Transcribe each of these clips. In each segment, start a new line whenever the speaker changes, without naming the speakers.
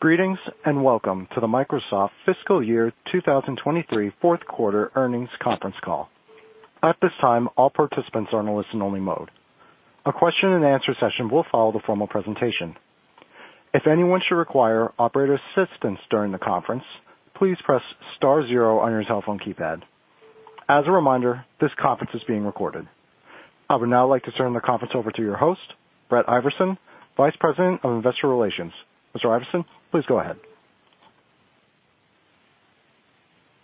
Greetings, welcome to the Microsoft Fiscal Year 2023 fourth quarter earnings conference call. At this time, all participants are in a listen-only mode. A question-and-answer session will follow the formal presentation. If anyone should require operator assistance during the conference, please press star zero on your telephone keypad. As a reminder, this conference is being recorded. I would now like to turn the conference over to your host, Brett Iversen, Vice President of Investor Relations. Mr. Iversen, please go ahead.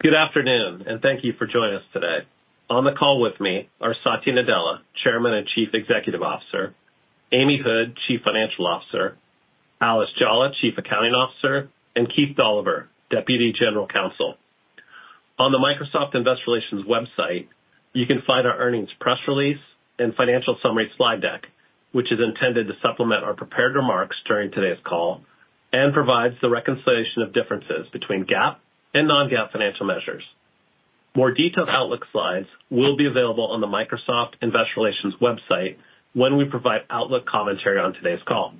Good afternoon. Thank you for joining us today. On the call with me are Satya Nadella, Chairman and Chief Executive Officer, Amy Hood, Chief Financial Officer, Alice Jolla, Chief Accounting Officer, and Keith Dolliver, Deputy General Counsel. On the Microsoft Investor Relations website, you can find our earnings press release and financial summary slide deck, which is intended to supplement our prepared remarks during today's call and provides the reconciliation of differences between GAAP and non-GAAP financial measures. More detailed outlook slides will be available on the Microsoft Investor Relations website when we provide outlook commentary on today's call.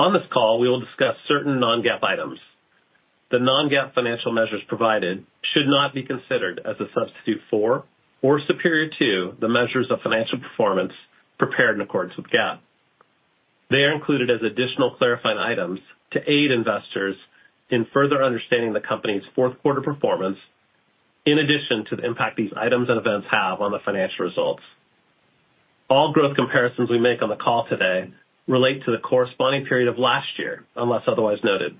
On this call, we will discuss certain non-GAAP items. The non-GAAP financial measures provided should not be considered as a substitute for or superior to the measures of financial performance prepared in accordance with GAAP. They are included as additional clarifying items to aid investors in further understanding the company's fourth quarter performance, in addition to the impact these items and events have on the financial results. All growth comparisons we make on the call today relate to the corresponding period of last year, unless otherwise noted.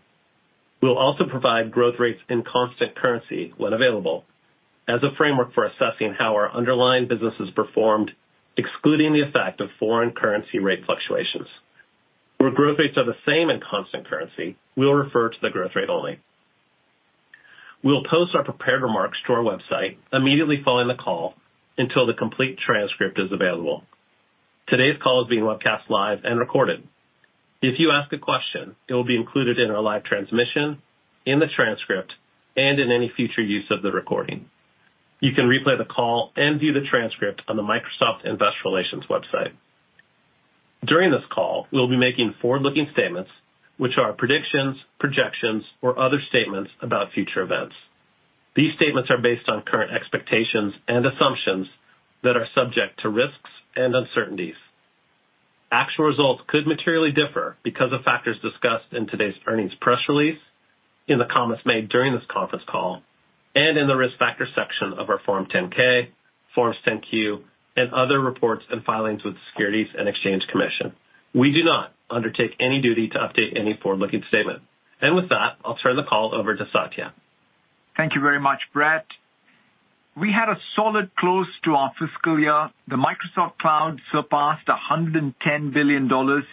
We'll also provide growth rates in constant currency when available, as a framework for assessing how our underlying businesses performed, excluding the effect of foreign currency rate fluctuations. Where growth rates are the same in constant currency, we'll refer to the growth rate only. We'll post our prepared remarks to our website immediately following the call until the complete transcript is available. Today's call is being webcast live and recorded. If you ask a question, it will be included in our live transmission, in the transcript, and in any future use of the recording. You can replay the call and view the transcript on the Microsoft Investor Relations website. During this call, we'll be making forward-looking statements, which are predictions, projections, or other statements about future events. These statements are based on current expectations and assumptions that are subject to risks and uncertainties. Actual results could materially differ because of factors discussed in today's earnings press release, in the comments made during this conference call, and in the Risk Factors section of our Form 10-K, Forms 10-Q, and other reports and filings with the Securities and Exchange Commission. We do not undertake any duty to update any forward-looking statement. With that, I'll turn the call over to Satya.
Thank you very much, Brett. We had a solid close to our fiscal year. The Microsoft Cloud surpassed $110 billion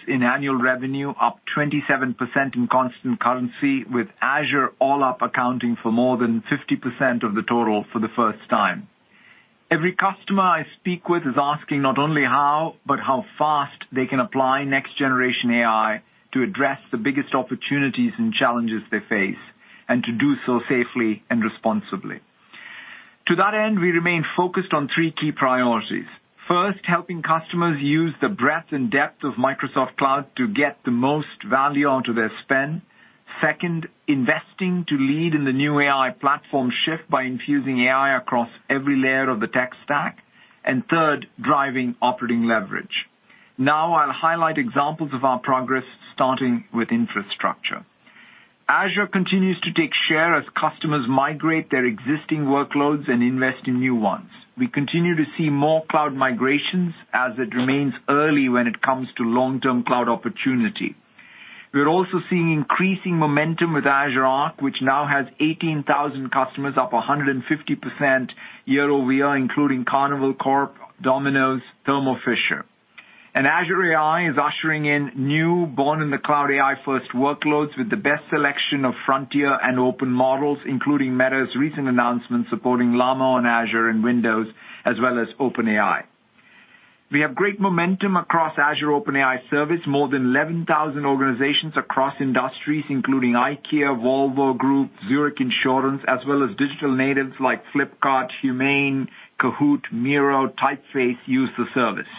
in annual revenue, up 27% in constant currency, with Azure all up accounting for more than 50% of the total for the first time. Every customer I speak with is asking not only how, but how fast they can apply next-generation AI to address the biggest opportunities and challenges they face, and to do so safely and responsibly. To that end, we remain focused on three key priorities. First, helping customers use the breadth and depth of Microsoft Cloud to get the most value out of their spend. Second, investing to lead in the new AI platform shift by infusing AI across every layer of the tech stack. And third, driving operating leverage. Now I'll highlight examples of our progress, starting with infrastructure. Azure continues to take share as customers migrate their existing workloads and invest in new ones. We continue to see more cloud migrations as it remains early when it comes to long-term cloud opportunity. We're also seeing increasing momentum with Azure Arc, which now has 18,000 customers, up 150% year-over-year, including Carnival Corp, Domino's, Thermo Fisher. Azure AI is ushering in new born in the cloud AI-first workloads with the best selection of frontier and open models, including Meta's recent announcement supporting Llama on Azure and Windows, as well as OpenAI. We have great momentum across Azure OpenAI service. More than 11,000 organizations across industries, including IKEA, Volvo Group, Zurich Insurance, as well as digital natives like Flipkart, Humane, Kahoot!, Miro, Typeface, use the service.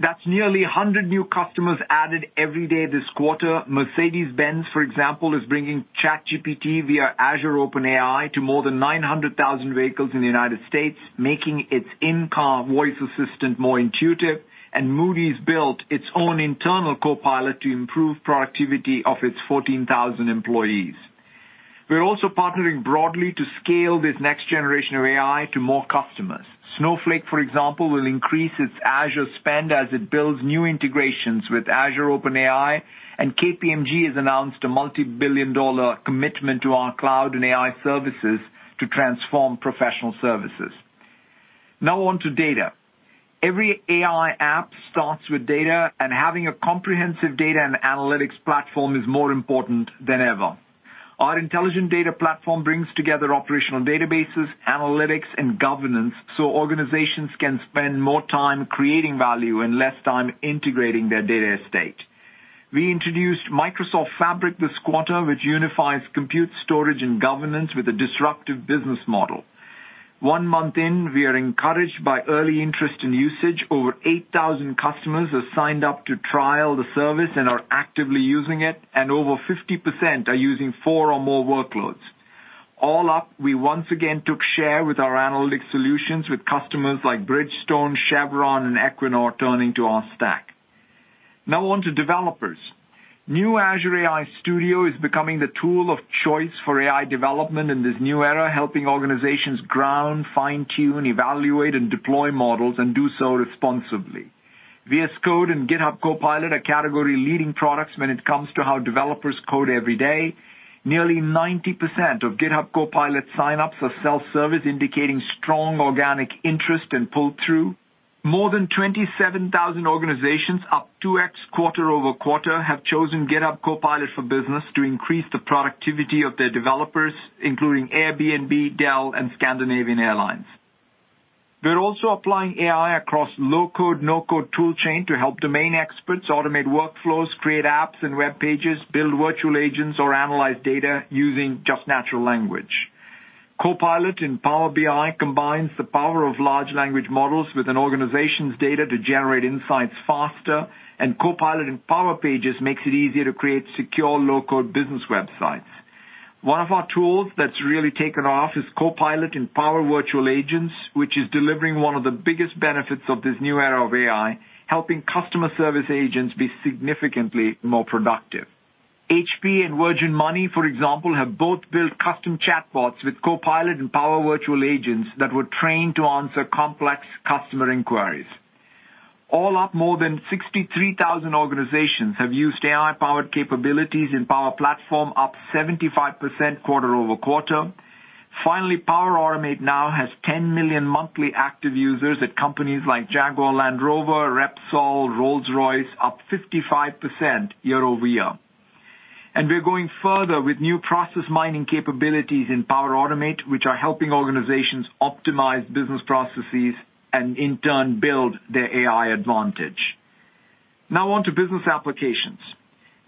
That's nearly 100 new customers added every day this quarter. Mercedes-Benz, for example, is bringing ChatGPT via Azure OpenAI to more than 900,000 vehicles in the United States, making its in-car voice assistant more intuitive. Moody's built its own internal copilot to improve productivity of its 14,000 employees. We're also partnering broadly to scale this next generation of AI to more customers. Snowflake, for example, will increase its Azure spend as it builds new integrations with Azure OpenAI. KPMG has announced a multi-billion dollar commitment to our cloud and AI services to transform professional services. On to data. Every AI app starts with data. Having a comprehensive data and analytics platform is more important than ever. Our Intelligent Data Platform brings together operational databases, analytics, and governance. Organizations can spend more time creating value and less time integrating their data estate. We introduced Microsoft Fabric this quarter, which unifies compute, storage, and governance with a disruptive business model. One month in, we are encouraged by early interest in usage. Over 8,000 customers have signed up to trial the service and are actively using it, and over 50% are using four or more workloads. All up, we once again took share with our analytic solutions with customers like Bridgestone, Chevron, and Equinor turning to our stack. On to developers. New Azure AI Studio is becoming the tool of choice for AI development in this new era, helping organizations ground, fine-tune, evaluate, and deploy models and do so responsibly. VS Code and GitHub Copilot are category-leading products when it comes to how developers code every day. Nearly 90% of GitHub Copilot sign-ups are self-service, indicating strong organic interest and pull-through. More than 27,000 organizations, up 2x quarter-over-quarter, have chosen GitHub Copilot for Business to increase the productivity of their developers, including Airbnb, Dell, and Scandinavian Airlines. We're also applying AI across low-code, no-code tool chain to help domain experts automate workflows, create apps and web pages, build virtual agents, or analyze data using just natural language. Copilot in Power BI combines the power of large language models with an organization's data to generate insights faster, and Copilot in Power Pages makes it easier to create secure, low-code business websites. One of our tools that's really taken off is Copilot in Power Virtual Agents, which is delivering one of the biggest benefits of this new era of AI, helping customer service agents be significantly more productive. HP and Virgin Money, for example, have both built custom chatbots with Copilot and Power Virtual Agents that were trained to answer complex customer inquiries. All up, more than 63,000 organizations have used AI-powered capabilities in Power Platform, up 75% quarter-over-quarter. Power Automate now has 10 million monthly active users at companies like Jaguar Land Rover, Repsol, Rolls-Royce, up 55% year-over-year. We're going further with new process mining capabilities in Power Automate, which are helping organizations optimize business processes and in turn build their AI advantage. Now on to business applications.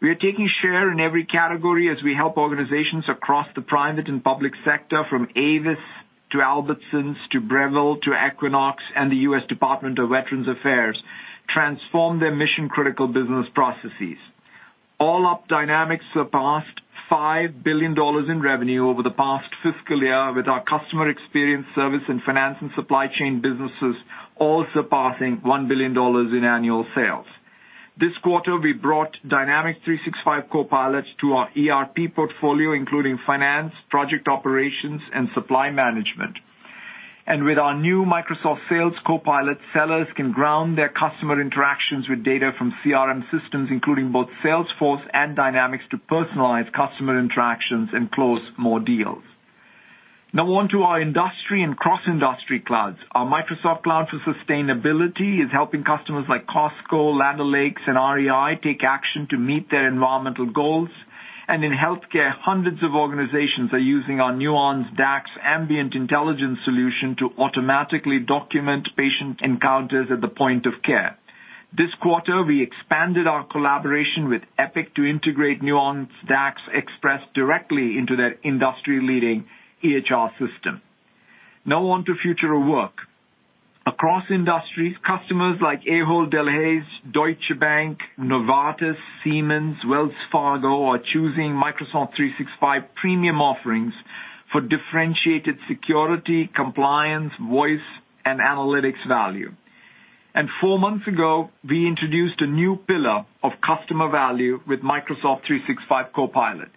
We are taking share in every category as we help organizations across the private and public sector, from Avis to Albertsons to Breville to Equinox and the U.S. Department of Veterans Affairs, transform their mission-critical business processes. All Up Dynamics surpassed $5 billion in revenue over the past fiscal year, with our customer experience, service, and finance and supply chain businesses all surpassing $1 billion in annual sales. This quarter, we brought Dynamics 365 Copilot to our ERP portfolio, including finance, project operations, and supply management. With our new Microsoft Sales Copilot, sellers can ground their customer interactions with data from CRM systems, including both Salesforce and Dynamics, to personalize customer interactions and close more deals. On to our industry and cross-industry clouds. Our Microsoft Cloud for Sustainability is helping customers like Costco, Land O'Lakes, and REI take action to meet their environmental goals. In healthcare, hundreds of organizations are using our Nuance DAX ambient intelligence solution to automatically document patient encounters at the point of care. This quarter, we expanded our collaboration with Epic to integrate Nuance DAX Express directly into their industry-leading EHR system. Now on to future of work. Across industries, customers like Ahold Delhaize, Deutsche Bank, Novartis, Siemens, Wells Fargo are choosing Microsoft 365 premium offerings for differentiated security, compliance, voice, and analytics value. Four months ago, we introduced a new pillar of customer value with Microsoft 365 Copilot.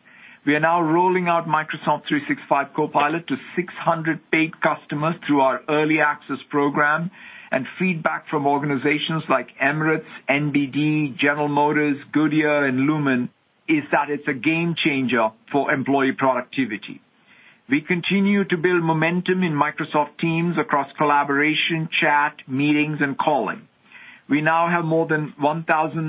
We are now rolling out Microsoft 365 Copilot to 600 paid customers through our early access program, and feedback from organizations like Emirates NBD, General Motors, Goodyear, and Lumen is that it's a game changer for employee productivity. We continue to build momentum in Microsoft Teams across collaboration, chat, meetings, and calling. We now have more than 1,900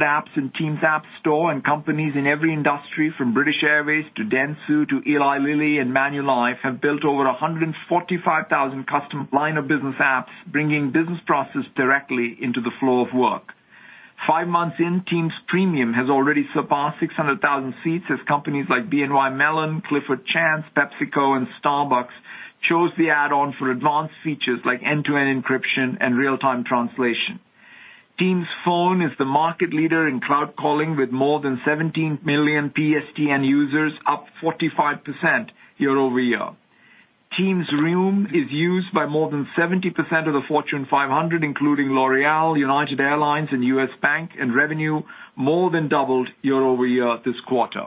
apps in Teams App Store. Companies in every industry, from British Airways to Dentsu to Eli Lilly and Manulife, have built over 145,000 custom line-of-business apps, bringing business processes directly into the flow of work. Five months in, Teams Premium has already surpassed 600,000 seats as companies like BNY Mellon, Clifford Chance, PepsiCo, and Starbucks chose the add-on for advanced features like end-to-end encryption and real-time translation. Teams Phone is the market leader in cloud calling, with more than 17 million PSTN users, up 45% year-over-year. Teams Room is used by more than 70% of the Fortune 500, including L'Oréal, United Airlines, and U.S. Bank. Revenue more than doubled year-over-year this quarter.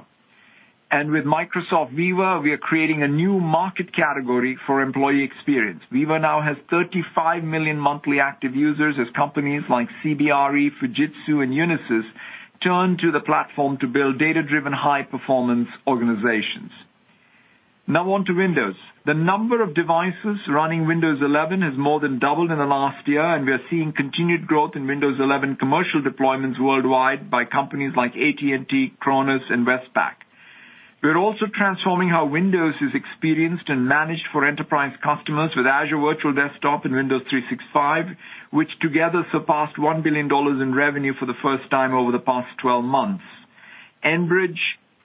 With Microsoft Viva, we are creating a new market category for employee experience. Viva now has 35 million monthly active users, as companies like CBRE, Fujitsu, and Unisys turn to the platform to build data-driven, high-performance organizations. On to Windows. The number of devices running Windows 11 has more than doubled in the last year, and we are seeing continued growth in Windows 11 commercial deployments worldwide by companies like AT&T, Krones, and Westpac. We are also transforming how Windows is experienced and managed for enterprise customers with Azure Virtual Desktop and Windows 365, which together surpassed $1 billion in revenue for the first time over the past 12 months. Enbridge,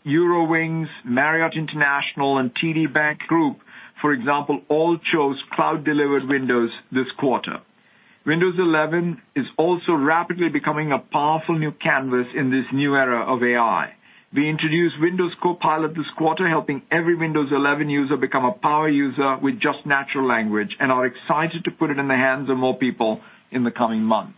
Eurowings, Marriott International, and TD Bank Group, for example, all chose cloud-delivered Windows this quarter. Windows 11 is also rapidly becoming a powerful new canvas in this new era of AI. We introduced Windows Copilot this quarter, helping every Windows 11 user become a power user with just natural language, are excited to put it in the hands of more people in the coming months.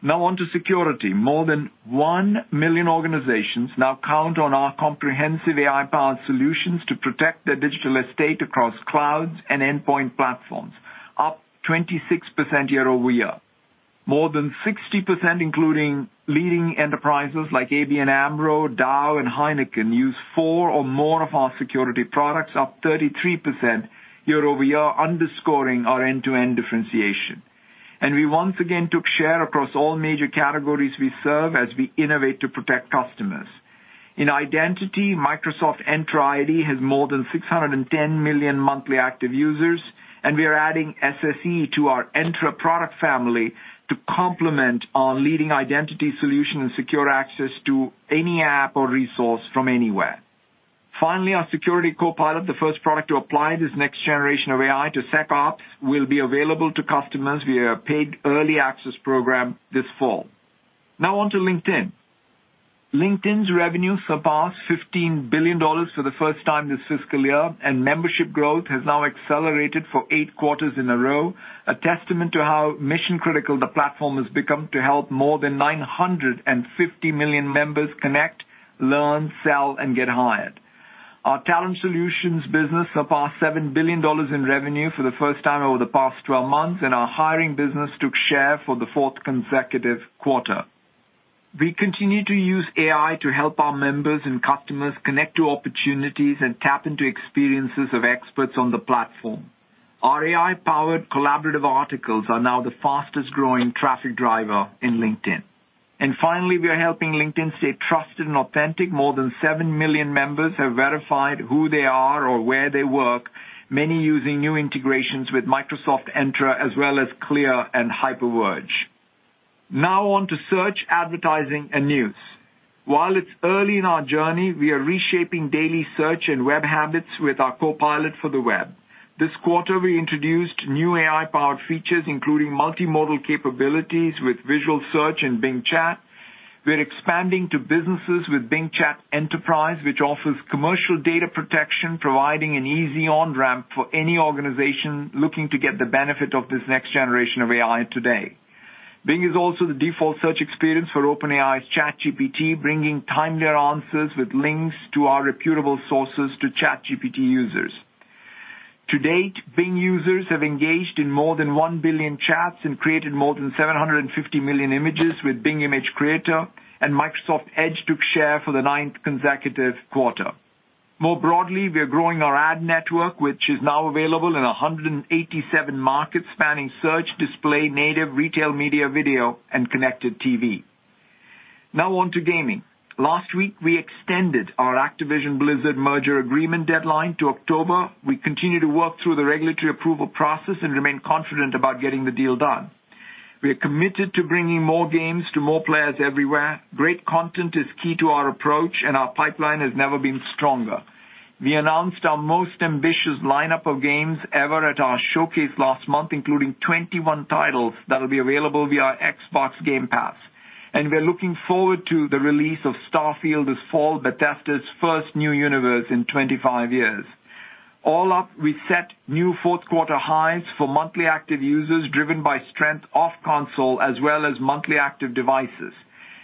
Now on to security. More than 1 million organizations now count on our comprehensive AI-powered solutions to protect their digital estate across clouds and endpoint platforms, up 26% year-over-year. More than 60%, including leading enterprises like ABN AMRO, Dow, and Heineken, use four or more of our security products, up 33% year-over-year, underscoring our end-to-end differentiation. We once again took share across all major categories we serve as we innovate to protect customers. In identity, Microsoft Entra ID has more than 610 million monthly active users. We are adding SSE to our Entra product family to complement our leading identity solution and secure access to any app or resource from anywhere. Our Security Copilot, the first product to apply this next generation of AI to SecOps, will be available to customers via a paid early access program this fall. On to LinkedIn. LinkedIn's revenue surpassed $15 billion for the first time this fiscal year. Membership growth has now accelerated for eight quarters in a row, a testament to how mission-critical the platform has become to help more than 950 million members connect, learn, sell, and get hired. Our Talent Solutions business surpassed $7 billion in revenue for the first time over the past 12 months, and our hiring business took share for the fourth consecutive quarter. We continue to use AI to help our members and customers connect to opportunities and tap into experiences of experts on the platform. Our AI-powered collaborative articles are now the fastest-growing traffic driver in LinkedIn. Finally, we are helping LinkedIn stay trusted and authentic. More than 7 million members have verified who they are or where they work, many using new integrations with Microsoft Entra, as well as CLEAR and HyperVerge. On to search, advertising, and news. While it's early in our journey, we are reshaping daily search and web habits with our copilot for the web. This quarter, we introduced new AI-powered features, including multimodal capabilities with Visual Search and Bing Chat. We're expanding to businesses with Bing Chat Enterprise, which offers commercial data protection, providing an easy on-ramp for any organization looking to get the benefit of this next generation of AI today. Bing is also the default search experience for OpenAI's ChatGPT, bringing timelier answers with links to our reputable sources to ChatGPT users. To date, Bing users have engaged in more than 1 billion chats and created more than 750 million images with Bing Image Creator, and Microsoft Edge took share for the ninth consecutive quarter. More broadly, we are growing our ad network, which is now available in 187 markets, spanning search, display, native, retail, media, video, and connected TV. Now on to gaming. Last week, we extended our Activision Blizzard merger agreement deadline to October. We continue to work through the regulatory approval process and remain confident about getting the deal done. We are committed to bringing more games to more players everywhere. Great content is key to our approach, and our pipeline has never been stronger. We announced our most ambitious lineup of games ever at our showcase last month, including 21 titles that will be available via our Xbox Game Pass. We are looking forward to the release of Starfield this fall, Bethesda's first new universe in 25 years. All up, we set new fourth quarter highs for monthly active users, driven by strength off console as well as monthly active devices.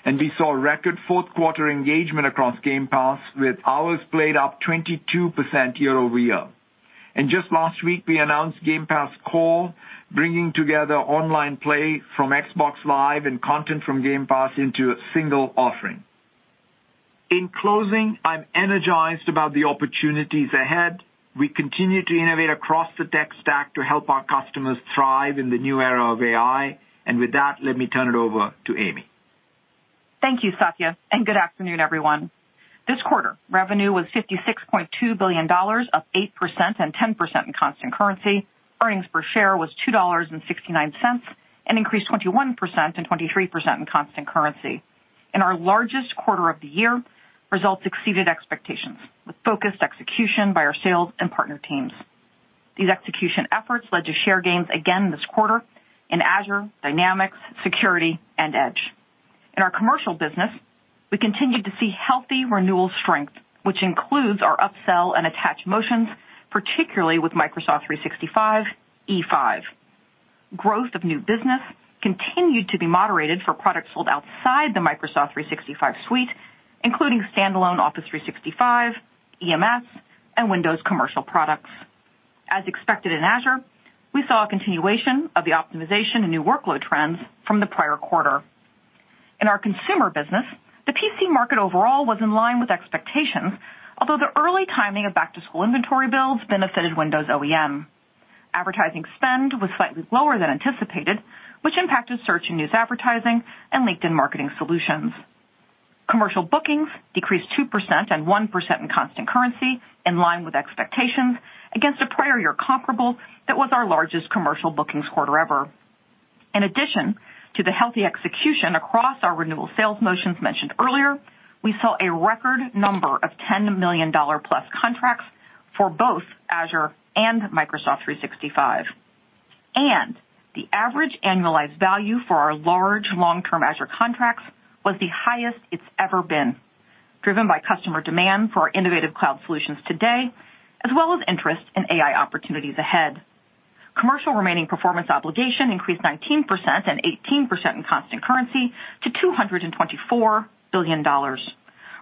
We saw record fourth quarter engagement across Game Pass, with hours played up 22% year-over-year. Just last week, we announced Game Pass Core, bringing together online play from Xbox Live and content from Game Pass into a single offering. In closing, I'm energized about the opportunities ahead. We continue to innovate across the tech stack to help our customers thrive in the new era of AI. With that, let me turn it over to Amy.
Thank you, Satya, and good afternoon, everyone. This quarter, revenue was $56.2 billion, up 8% and 10% in constant currency. Earnings per share was $2.69 and increased 21% and 23% in constant currency. In our largest quarter of the year, results exceeded expectations, with focused execution by our sales and partner teams. These execution efforts led to share gains again this quarter in Azure, Dynamics, Security, and Edge. In our commercial business, we continued to see healthy renewal strength, which includes our upsell and attach motions, particularly with Microsoft 365 E5. Growth of new business continued to be moderated for products sold outside the Microsoft 365 Suite, including standalone Office 365, EMS, and Windows commercial products. As expected in Azure, we saw a continuation of the optimization and new workload trends from the prior quarter. In our consumer business, the PC market overall was in line with expectations, although the early timing of back-to-school inventory builds benefited Windows OEM. Advertising spend was slightly lower than anticipated, which impacted search and news advertising and LinkedIn Marketing Solutions. Commercial bookings decreased 2% and 1% in constant currency, in line with expectations, against a prior year comparable that was our largest commercial bookings quarter ever. In addition to the healthy execution across our renewal sales motions mentioned earlier, we saw a record number of $10 million plus contracts for both Azure and Microsoft 365. The average annualized value for our large long-term Azure contracts was the highest it's ever been, driven by customer demand for our innovative cloud solutions today, as well as interest in AI opportunities ahead. Commercial remaining performance obligation increased 19% and 18% in constant currency to $224 billion.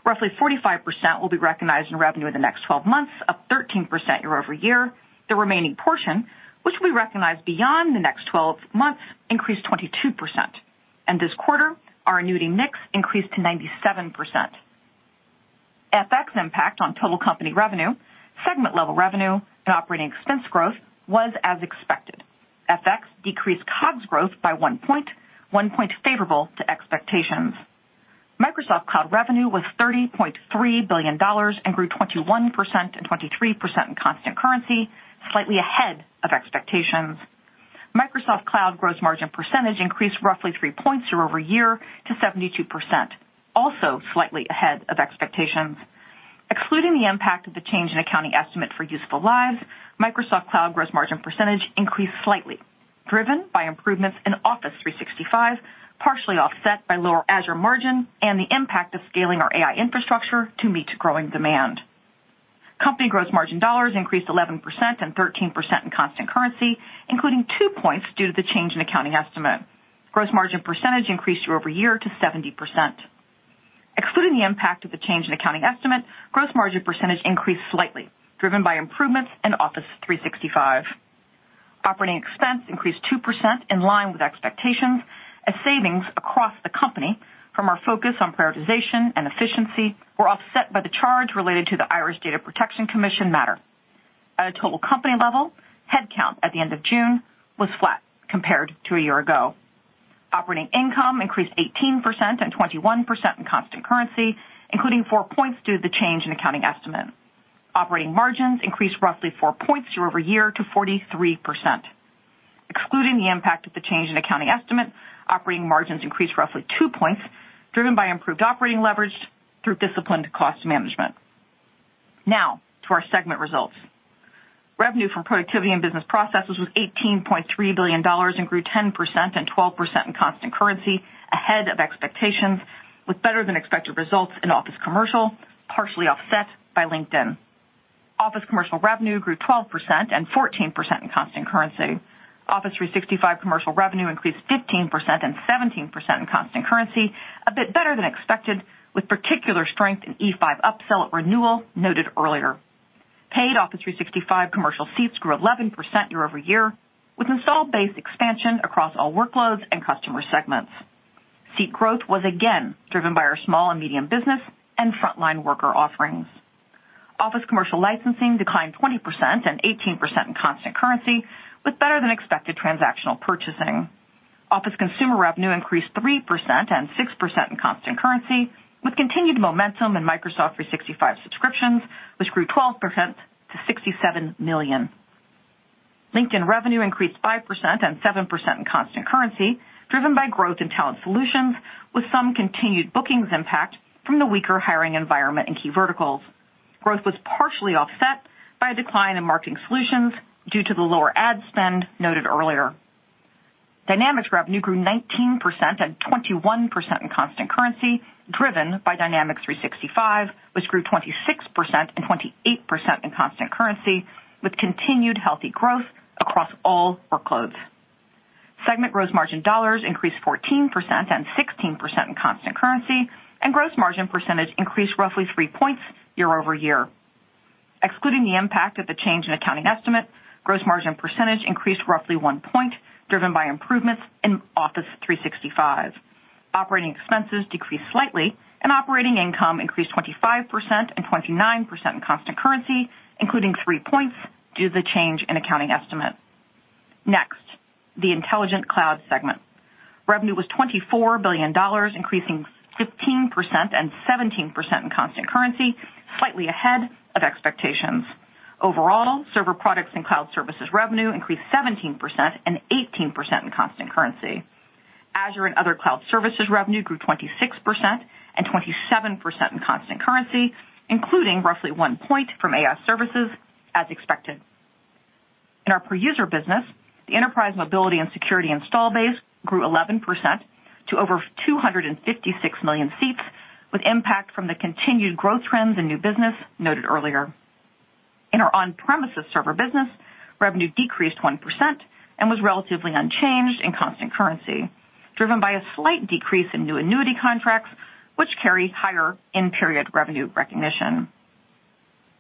Roughly 45% will be recognized in revenue in the next 12 months, up 13% year-over-year. The remaining portion, which we recognize beyond the next 12 months, increased 22%, and this quarter, our annuity mix increased to 97%. FX impact on total company revenue, segment-level revenue and operating expense growth was as expected. FX decreased COGS growth by 1 point, 1 point favorable to expectations. Microsoft Cloud revenue was $30.3 billion and grew 21% and 23% in constant currency, slightly ahead of expectations. Microsoft Cloud gross margin percentage increased roughly 3 points year-over-year to 72%, also slightly ahead of expectations. Excluding the impact of the change in accounting estimate for useful lives, Microsoft Cloud gross margin percentage increased slightly, driven by improvements in Office 365, partially offset by lower Azure margin and the impact of scaling our AI infrastructure to meet growing demand. Company gross margin dollars increased 11% and 13% in constant currency, including 2 points due to the change in accounting estimate. Gross margin percentage increased year-over-year to 70%. Excluding the impact of the change in accounting estimate, gross margin percentage increased slightly, driven by improvements in Office 365. Operating expense increased 2% in line with expectations as savings across the company from our focus on prioritization and efficiency were offset by the charge related to the Irish Data Protection Commission matter. At a total company level, headcount at the end of June was flat compared to a year ago. Operating income increased 18% and 21% in constant currency, including 4 points due to the change in accounting estimate. Operating margins increased roughly 4 points year-over-year to 43%. Excluding the impact of the change in accounting estimate, operating margins increased roughly 2 points, driven by improved operating leverage through disciplined cost management. To our segment results. Revenue from productivity and business processes was $18.3 billion and grew 10% and 12% in constant currency ahead of expectations, with better-than-expected results in Office Commercial, partially offset by LinkedIn. Office Commercial revenue grew 12% and 14% in constant currency. Office 365 Commercial revenue increased 15% and 17% in constant currency, a bit better than expected, with particular strength in E5 upsell at renewal noted earlier. Paid Office 365 Commercial seats grew 11% year-over-year, with installed base expansion across all workloads and customer segments. Seat growth was again driven by our small and medium business and frontline worker offerings. Office Commercial licensing declined 20% and 18% in constant currency, with better-than-expected transactional purchasing. Office Consumer revenue increased 3% and 6% in constant currency, with continued momentum in Microsoft 365 subscriptions, which grew 12% to $67 million. LinkedIn revenue increased 5% and 7% in constant currency, driven by growth in Talent Solutions, with some continued bookings impact from the weaker hiring environment in key verticals. Growth was partially offset by a decline in marketing solutions due to the lower ad spend noted earlier. Dynamics revenue grew 19% and 21% in constant currency, driven by Dynamics 365, which grew 26% and 28% in constant currency, with continued healthy growth across all workloads. Segment gross margin dollars increased 14% and 16% in constant currency, and gross margin percentage increased roughly 3 points year-over-year. Excluding the impact of the change in accounting estimate, gross margin percentage increased roughly 1 point, driven by improvements in Office 365. Operating expenses decreased slightly, and operating income increased 25% and 29% in constant currency, including 3 points due to the change in accounting estimate. Next, the Intelligent Cloud segment. Revenue was $24 billion, increasing 15% and 17% in constant currency, slightly ahead of expectations. Overall, server products and cloud services revenue increased 17% and 18% in constant currency. Azure and other cloud services revenue grew 26% and 27% in constant currency, including roughly 1 point from AI services as expected. In our per-user business, the Enterprise Mobility + Security install base grew 11% to over 256 million seats, with impact from the continued growth trends in new business noted earlier. In our on-premises server business, revenue decreased 1% and was relatively unchanged in constant currency, driven by a slight decrease in new annuity contracts, which carry higher in-period revenue recognition.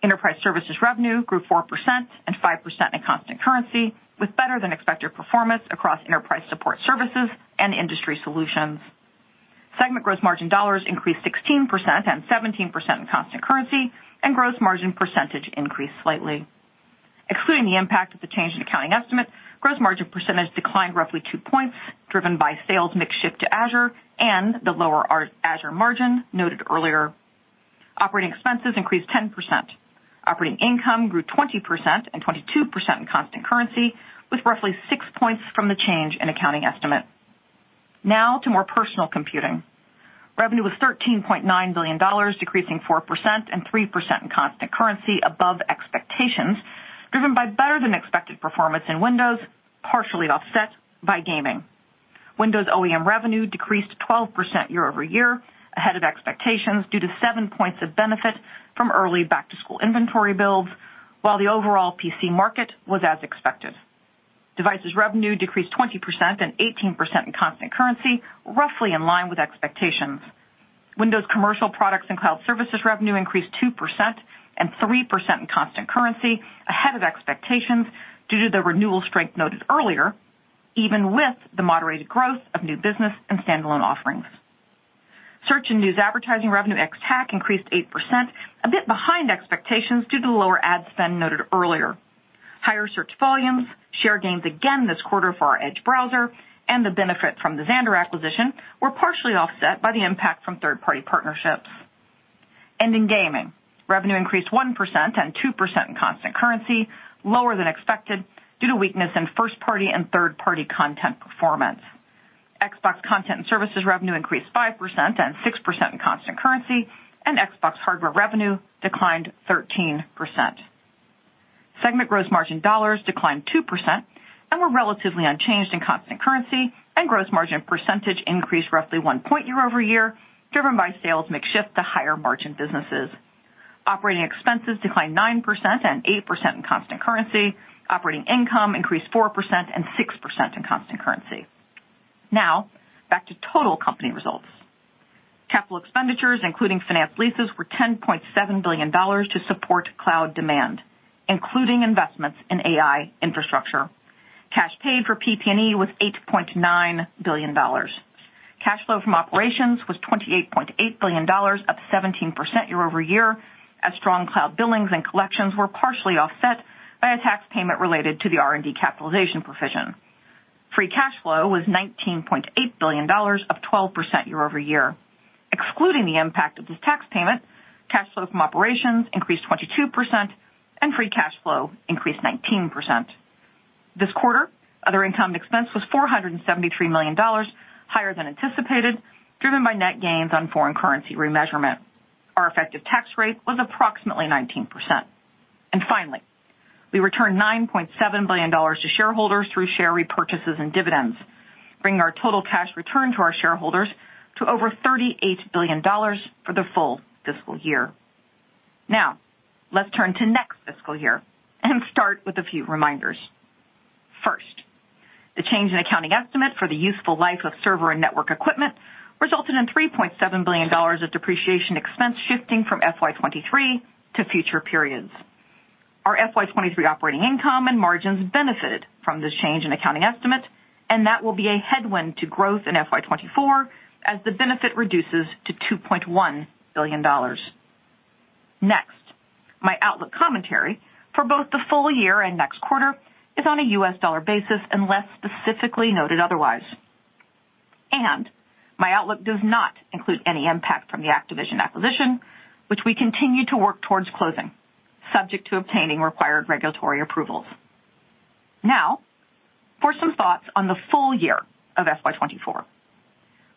Enterprise services revenue grew 4% and 5% in constant currency, with better than expected performance across enterprise support services and industry solutions. Segment gross margin dollars increased 16% and 17% in constant currency, and gross margin percentage increased slightly. Excluding the impact of the change in accounting estimate, gross margin percentage declined roughly 2 points, driven by sales mix shift to Azure and the lower Azure margin noted earlier. Operating expenses increased 10%. Operating income grew 20% and 22% in constant currency, with roughly 6 points from the change in accounting estimate. Now to More Personal Computing. Revenue was $13.9 billion, decreasing 4% and 3% in constant currency above expectations, driven by better-than-expected performance in Windows, partially offset by gaming. Windows OEM revenue decreased 12% year-over-year, ahead of expectations, due to 7 points of benefit from early back-to-school inventory builds, while the overall PC market was as expected. Devices revenue decreased 20% and 18% in constant currency, roughly in line with expectations. Windows Commercial products and cloud services revenue increased 2% and 3% in constant currency, ahead of expectations, due to the renewal strength noted earlier, even with the moderated growth of new business and standalone offerings. Search and news advertising revenue ex-TAC increased 8%, a bit behind expectations, due to the lower ad spend noted earlier. Higher search volumes, share gains again this quarter for our Edge browser and the benefit from the Xandr acquisition were partially offset by the impact from third-party partnerships. In gaming, revenue increased 1% and 2% in constant currency, lower than expected, due to weakness in first-party and third-party content performance. Xbox content and services revenue increased 5% and 6% in constant currency, and Xbox hardware revenue declined 13%. Segment gross margin dollars declined 2% and were relatively unchanged in constant currency, gross margin percentage increased roughly 1 point year-over-year, driven by sales mix shift to higher margin businesses. Operating expenses declined 9% and 8% in constant currency. Operating income increased 4% and 6% in constant currency. Back to total company results. Capital expenditures, including finance leases, were $10.7 billion to support cloud demand, including investments in AI infrastructure. Cash paid for PP&E was $8.9 billion. Cash flow from operations was $28.8 billion, up 17% year-over-year, as strong cloud billings and collections were partially offset by a tax payment related to the R&D capitalization provision. Free cash flow was $19.8 billion, up 12% year-over-year. Excluding the impact of this tax payment, cash flow from operations increased 22% and free cash flow increased 19%. This quarter, other income expense was $473 million, higher than anticipated, driven by net gains on foreign currency remeasurement. Our effective tax rate was approximately 19%. Finally, we returned $9.7 billion to shareholders through share repurchases and dividends, bringing our total cash return to our shareholders to over $38 billion for the full fiscal year. Now, let's turn to next fiscal year and start with a few reminders. First, the change in accounting estimate for the useful life of server and network equipment resulted in $3.7 billion of depreciation expense shifting from FY 2023 to future periods. Our FY 2023 operating income and margins benefited from this change in accounting estimate. That will be a headwind to growth in FY 2024, as the benefit reduces to $2.1 billion. Next, my outlook commentary for both the full year and next quarter is on a U.S. dollar basis, unless specifically noted otherwise. My outlook does not include any impact from the Activision acquisition, which we continue to work towards closing, subject to obtaining required regulatory approvals. Now, for some thoughts on the full year of FY 2024.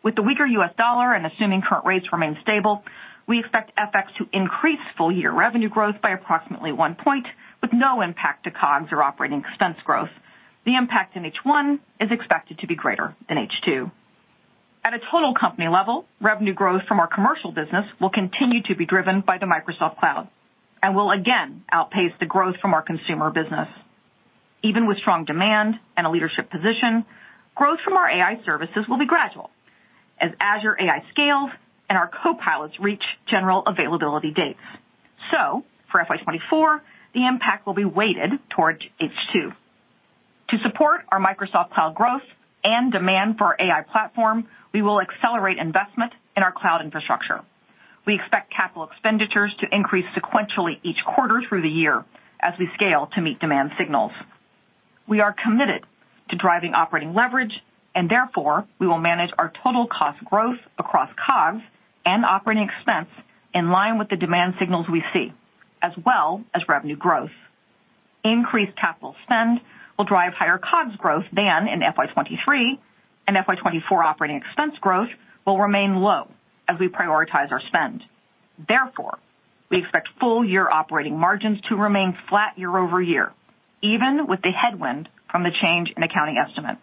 With the weaker U.S. dollar and assuming current rates remain stable, we expect FX to increase full year revenue growth by approximately 1 point, with no impact to COGS or operating expense growth. The impact in H1 is expected to be greater than H2. At a total company level, revenue growth from our commercial business will continue to be driven by the Microsoft Cloud and will again outpace the growth from our consumer business. Even with strong demand and a leadership position, growth from our AI services will be gradual as Azure AI scales and our Copilots reach general availability dates. For FY 2024, the impact will be weighted towards H2. To support our Microsoft Cloud growth and demand for our AI platform, we will accelerate investment in our cloud infrastructure. We expect capital expenditures to increase sequentially each quarter through the year as we scale to meet demand signals. We are committed to driving operating leverage, and therefore, we will manage our total cost growth across COGS and operating expense in line with the demand signals we see, as well as revenue growth. Increased capital spend will drive higher COGS growth than in FY 2023, and FY 2024 operating expense growth will remain low as we prioritize our spend. Therefore, we expect full year operating margins to remain flat year-over-year, even with the headwind from the change in accounting estimate.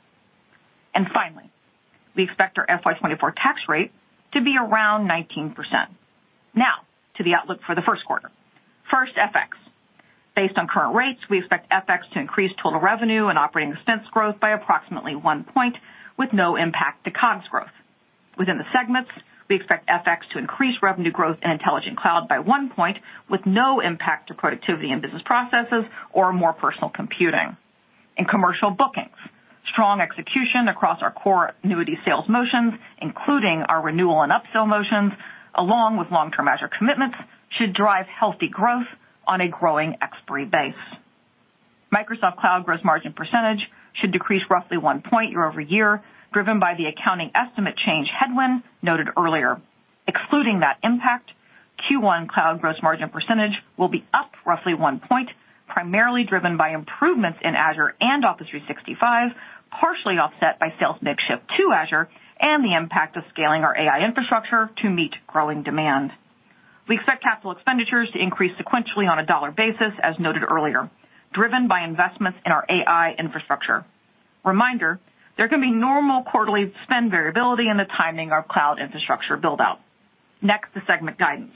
Finally, we expect our FY 2024 tax rate to be around 19%. Now to the outlook for the first quarter. First, FX. Based on current rates, we expect FX to increase total revenue and operating expense growth by approximately 1 point, with no impact to COGS growth. Within the segments, we expect FX to increase revenue growth in Intelligent Cloud by 1 point, with no impact to Productivity and Business Processes or More Personal Computing. In commercial bookings, strong execution across our core annuity sales motions, including our renewal and upsell motions, along with long-term measure commitments, should drive healthy growth on a growing expiry base. Microsoft Cloud gross margin % should decrease roughly 1 point year-over-year, driven by the accounting estimate change headwind noted earlier. Excluding that impact, Q1 cloud gross margin % will be up roughly 1 point, primarily driven by improvements in Azure and Office 365, partially offset by sales mix shift to Azure and the impact of scaling our AI infrastructure to meet growing demand. We expect capital expenditures to increase sequentially on a dollar basis, as noted earlier, driven by investments in our AI infrastructure. Reminder, there can be normal quarterly spend variability in the timing of cloud infrastructure build-out. Next, to segment guidance.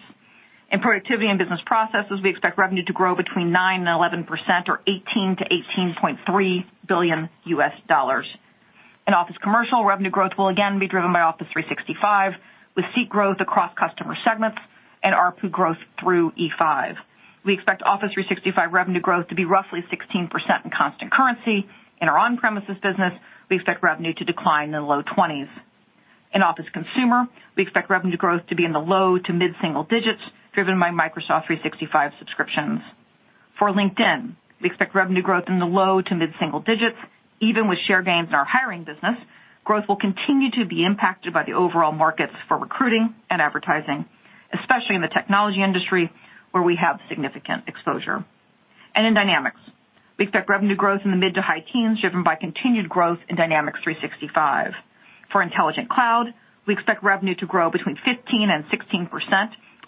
In Productivity and Business Processes, we expect revenue to grow between 9%-11%, or $18 billion-$18.3 billion. In Office Commercial, revenue growth will again be driven by Office 365, with seat growth across customer segments and ARPU growth through E5. We expect Office 365 revenue growth to be roughly 16% in constant currency. In our on-premises business, we expect revenue to decline in the low 20s. In Office Consumer, we expect revenue growth to be in the low to mid-single digits, driven by Microsoft 365 subscriptions. For LinkedIn, we expect revenue growth in the low to mid-single digits. Even with share gains in our hiring business, growth will continue to be impacted by the overall markets for recruiting and advertising, especially in the technology industry, where we have significant exposure. In Dynamics, we expect revenue growth in the mid to high teens, driven by continued growth in Dynamics 365. For Intelligent Cloud, we expect revenue to grow between 15% and 16%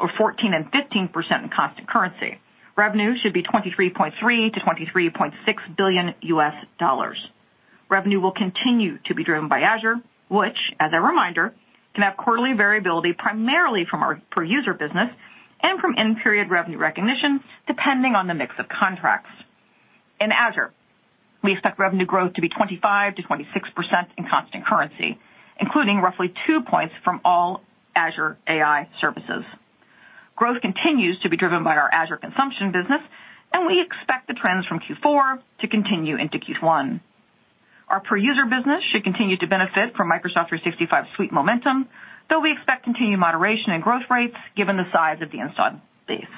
or 14% and 15% in constant currency. Revenue should be $23.3 billion-$23.6 billion. Revenue will continue to be driven by Azure, which, as a reminder, can have quarterly variability primarily from our per-user business and from end-period revenue recognition, depending on the mix of contracts. In Azure, we expect revenue growth to be 25%-26% in constant currency, including roughly 2 points from all Azure AI services. Growth continues to be driven by our Azure consumption business, we expect the trends from Q4 to continue into Q1. Our per-user business should continue to benefit from Microsoft 365 suite momentum, though we expect continued moderation in growth rates given the size of the installed base.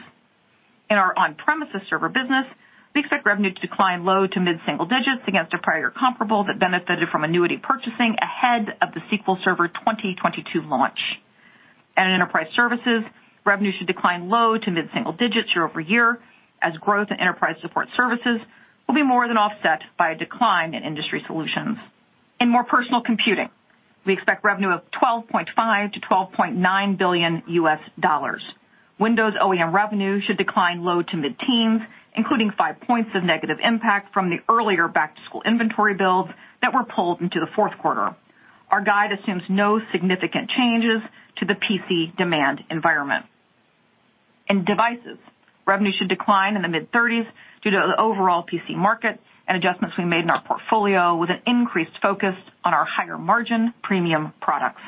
In our on-premises server business, we expect revenue to decline low to mid-single digits against a prior comparable that benefited from annuity purchasing ahead of the SQL Server 2022 launch. In Enterprise Services, revenue should decline low to mid-single digits year-over-year, as growth in enterprise support services will be more than offset by a decline in industry solutions. In More Personal Computing, we expect revenue of $12.5 billion-$12.9 billion. Windows OEM revenue should decline low to mid-teens, including 5 points of negative impact from the earlier back-to-school inventory builds that were pulled into the fourth quarter. Our guide assumes no significant changes to the PC demand environment. In Devices, revenue should decline in the mid-30s due to the overall PC market and adjustments we made in our portfolio, with an increased focus on our higher-margin premium products.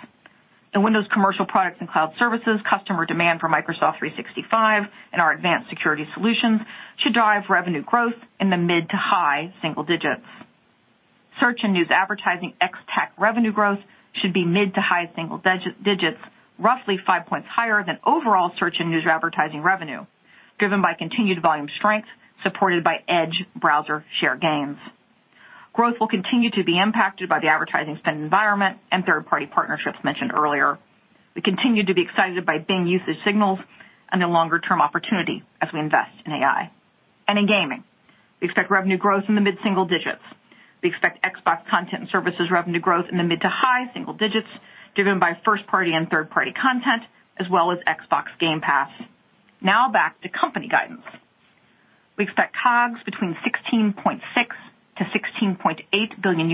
In Windows Commercial Products and Cloud services, customer demand for Microsoft 365 and our advanced security solutions should drive revenue growth in the mid to high single digits. Search and news advertising ex-TAC revenue growth should be mid to high single digits, roughly five points higher than overall search and news advertising revenue, driven by continued volume strength supported by Edge browser share gains. Growth will continue to be impacted by the advertising spend environment and third-party partnerships mentioned earlier. We continue to be excited by Bing usage signals and the longer-term opportunity as we invest in AI. In gaming, we expect revenue growth in the mid-single digits. We expect Xbox content and services revenue growth in the mid to high single digits, driven by first-party and third-party content, as well as Xbox Game Pass. Now back to company guidance. We expect COGS between $16.6 billion-$16.8 billion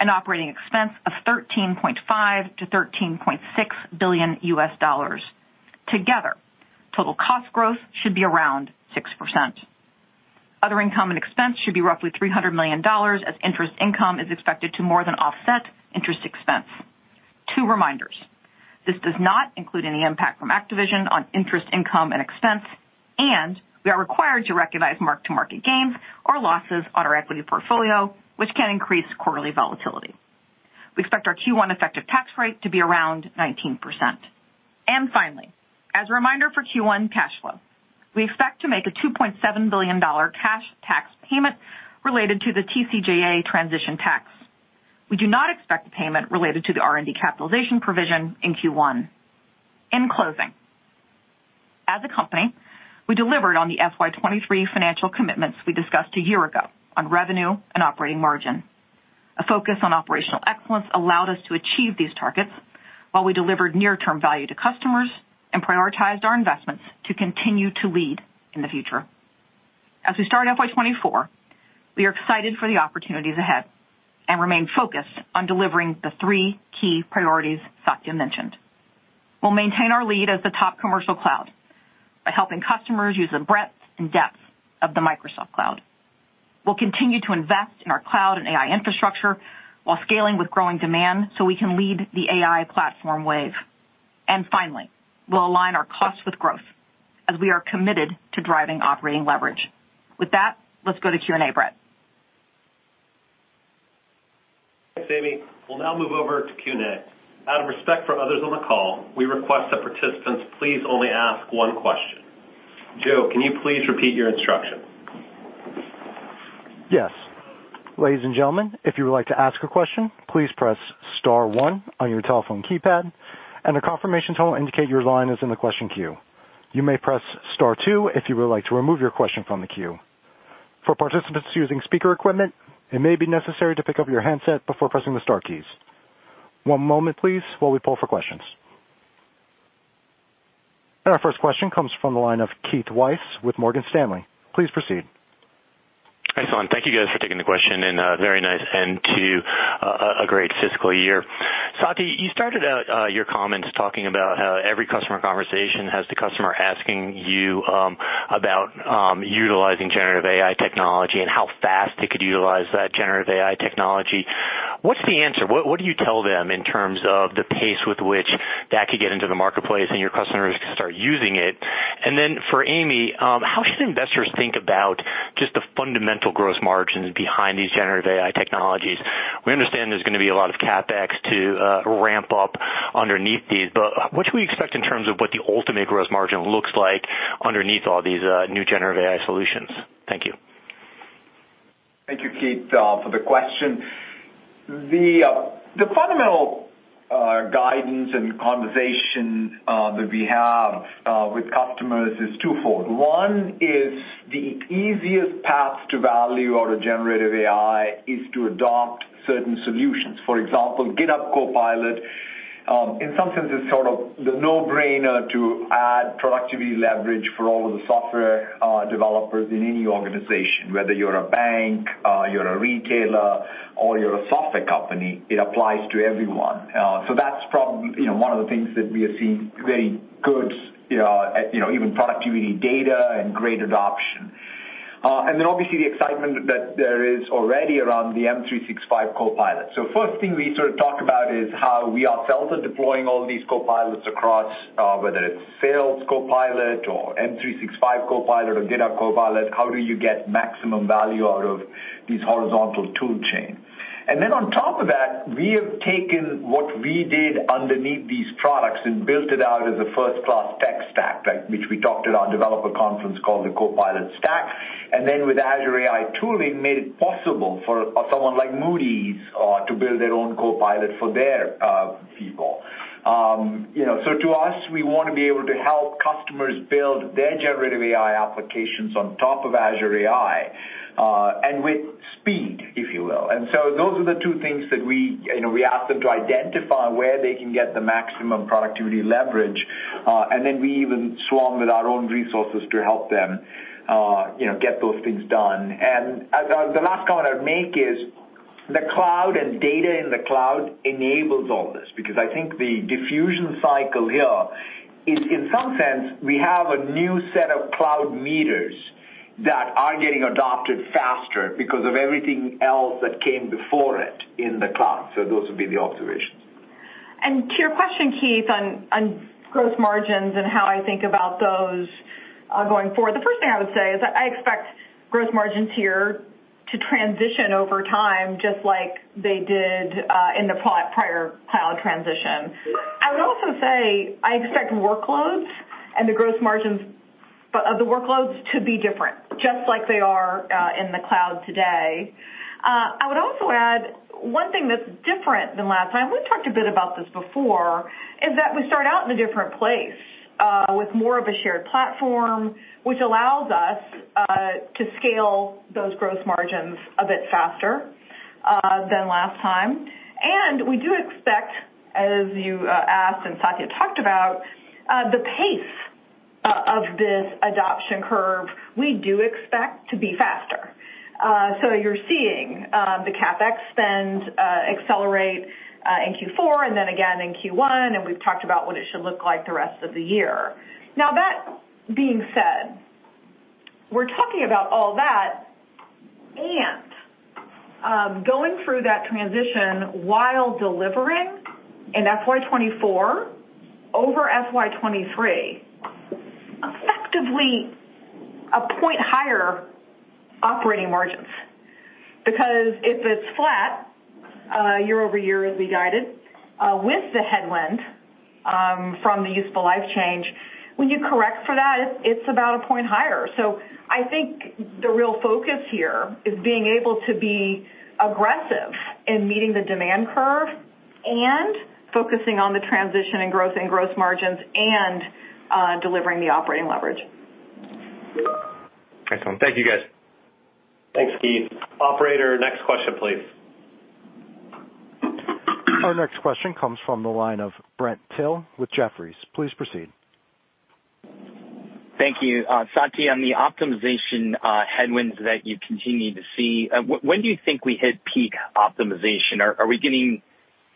and operating expense of $13.5 billion-$13.6 billion. Together, total cost growth should be around 6%. Other income and expense should be roughly $300 million, as interest income is expected to more than offset interest expense. Two reminders: This does not include any impact from Activision on interest, income and expense, and we are required to recognize mark-to-market gains or losses on our equity portfolio, which can increase quarterly volatility. We expect our Q1 effective tax rate to be around 19%. Finally, as a reminder for Q1 cash flow, we expect to make a $2.7 billion cash tax payment related to the TCJA transition tax. We do not expect a payment related to the R&D capitalization provision in Q1. In closing, as a company, we delivered on the FY 2023 financial commitments we discussed a year ago on revenue and operating margin. A focus on operational excellence allowed us to achieve these targets while we delivered near-term value to customers and prioritized our investments to continue to lead in the future. As we start FY 2024, we are excited for the opportunities ahead and remain focused on delivering the three key priorities Satya mentioned. We'll maintain our lead as the top commercial cloud by helping customers use the breadth and depth of the Microsoft Cloud. We'll continue to invest in our cloud and AI infrastructure while scaling with growing demand, so we can lead the AI platform wave. Finally, we'll align our costs with growth as we are committed to driving operating leverage. With that, let's go to Q&A, Brett.
We'll now move over to Q&A. Out of respect for others on the call, we request that participants please only ask one question. Joe, can you please repeat your instruction?
Yes. Ladies and gentlemen, if you would like to ask a question, please press star one on your telephone keypad, and a confirmation tone will indicate your line is in the question queue. You may press star two if you would like to remove your question from the queue. For participants using speaker equipment, it may be necessary to pick up your handset before pressing the star keys. One moment, please, while we pull for questions. Our first question comes from the line of Keith Weiss with Morgan Stanley. Please proceed.
Hi, Satya. Thank you, guys, for taking the question. Very nice end to a great fiscal year. Satya, you started out your comments talking about how every customer conversation has the customer asking you about utilizing generative AI technology and how fast they could utilize that generative AI technology. What's the answer? What do you tell them in terms of the pace with which that could get into the marketplace and your customers can start using it? For Amy, how should investors think about just the fundamental growth margins behind these generative AI technologies? We understand there's going to be a lot of CapEx to ramp up underneath these. What should we expect in terms of what the ultimate growth margin looks like underneath all these new generative AI solutions? Thank you.
Thank you, Keith, for the question. The fundamental guidance and conversation that we have with customers is twofold. One is the easiest path to value out of generative AI is to adopt certain solutions. For example, GitHub Copilot, in some sense, it's sort of the no-brainer to add productivity leverage for all of the software developers in any organization, whether you're a bank, you're a retailer, or you're a software company, it applies to everyone. That's probably, you know, one of the things that we are seeing very good, you know, even productivity data and great adoption. Obviously, the excitement that there is already around the M365 Copilot. First thing we sort of talk about is how we ourselves are deploying all these Copilots across, whether it's Sales Copilot or M365 Copilot or GitHub Copilot, how do you get maximum value out of these horizontal tool chain? On top of that, we have taken what we did underneath these products and built it out as a first-class tech stack, right, which we talked at our developer conference called the Copilot Stack. With Azure AI tooling, made it possible for someone like Moody's to build their own Copilot for their people. You know, to us, we want to be able to help customers build their generative AI applications on top of Azure AI, and with speed, if you will. Those are the two things that we, you know, we ask them to identify where they can get the maximum productivity leverage, and then we even swarm with our own resources to help them, you know, get those things done. The last comment I'd make is, the cloud and data in the cloud enables all this, because I think the diffusion cycle here is in some sense, we have a new set of cloud meters that are getting adopted faster because of everything else that came before it in the cloud. Those would be the observations.
To your question, Keith, on gross margins and how I think about those going forward, the first thing I would say is I expect growth margins here to transition over time, just like they did in the prior cloud transition. I would also say I expect workloads and the growth margins of the workloads to be different, just like they are in the cloud today. I would also add one thing that's different than last time, we've talked a bit about this before, is that we start out in a different place with more of a shared platform, which allows us to scale those growth margins a bit faster than last time. We do expect, as you asked and Satya talked about, the pace of this adoption curve, we do expect to be faster. You're seeing the CapEx spend accelerate in Q4 and then again in Q1, and we've talked about what it should look like the rest of the year. That being said, we're talking about all that and going through that transition while delivering in FY 2024 over FY 2023, effectively a point higher operating margins. If it's flat year-over-year, as we guided with the headwind from the useful life change, when you correct for that, it's about a point higher. I think the real focus here is being able to be aggressive in meeting the demand curve and focusing on the transition and growth in growth margins and delivering the operating leverage.
Excellent. Thank you, guys.
Thanks, Keith. Operator, next question, please?
Our next question comes from the line of Brent Thill with Jefferies. Please proceed.
Thank you. Satya, on the optimization, headwinds that you continue to see, when do you think we hit peak optimization? Are we getting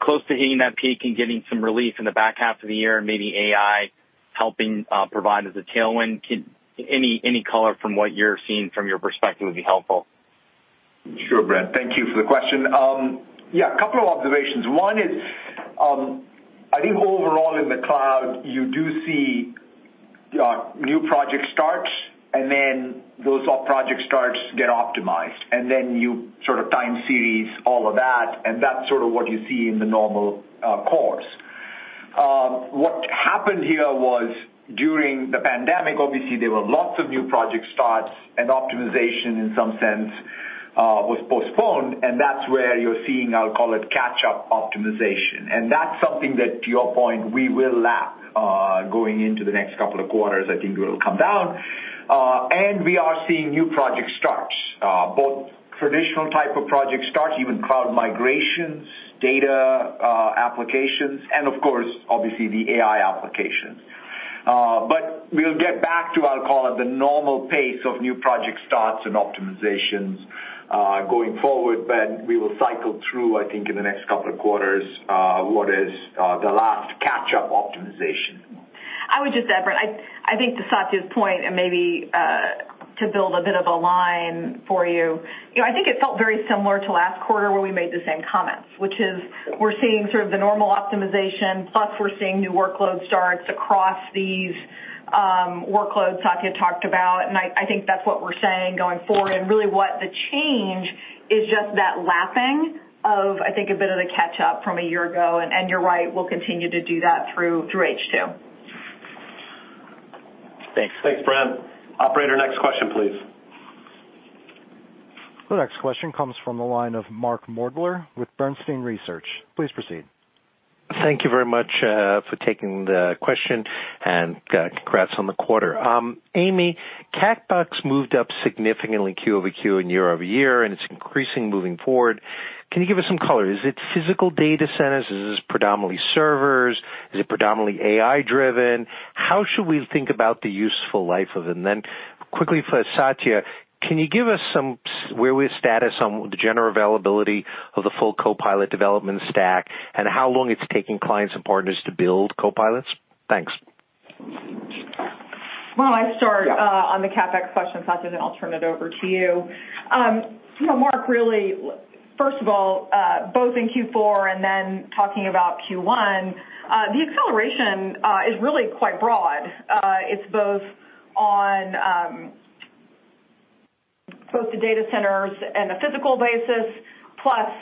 close to hitting that peak and getting some relief in the back half of the year, and maybe AI helping provide as a tailwind? Any color from what you're seeing from your perspective would be helpful.
Sure, Brent. Thank you for the question. Yeah, a couple of observations. One is, I think overall in the cloud, you do see new project starts, those off project starts get optimized, and then you sort of time series all of that, and that's sort of what you see in the normal course. What happened here was during the pandemic, obviously, there were lots of new project starts, and optimization in some sense, was postponed, and that's where you're seeing, I'll call it, catch-up optimization. That's something that, to your point, we will lap going into the next couple of quarters. I think it'll come down. We are seeing new project starts, both traditional type of project starts, even cloud migrations, data, applications, and of course, obviously, the AI applications. We'll get back to, I'll call it, the normal pace of new project starts and optimizations, going forward, but we will cycle through, I think, in the next couple of quarters, what is, the last catch-up optimization.
I would just add, Brent, I think to Satya's point, maybe to build a bit of a line for you know, I think it felt very similar to last quarter where we made the same comments, which is we're seeing sort of the normal optimization, plus we're seeing new workload starts across these workloads Satya talked about. I think that's what we're saying going forward. Really what the change is just that lapping of, I think, a bit of the catch-up from a year ago. You're right, we'll continue to do that through H2.
Thanks.
Thanks, Brent. Operator, next question, please?
The next question comes from the line of Mark Moerdler with Bernstein Research. Please proceed.
Thank you very much for taking the question, and congrats on the quarter. Amy, CapEx moved up significantly Q-over-Q and year-over-year, and it's increasing moving forward. Can you give us some color? Is it physical data centers? Is this predominantly servers? Is it predominantly AI-driven? How should we think about the useful life of them? Quickly for Satya, can you give us some where we status on the general availability of the full Copilot development stack, and how long it's taking clients and partners to build Copilots? Thanks.
Well, I start on the CapEx question, Satya, then I'll turn it over to you. You know, Mark, really, first of all, both in Q4 and then talking about Q1, the acceleration is really quite broad. It's both on both the data centers and the physical basis, plus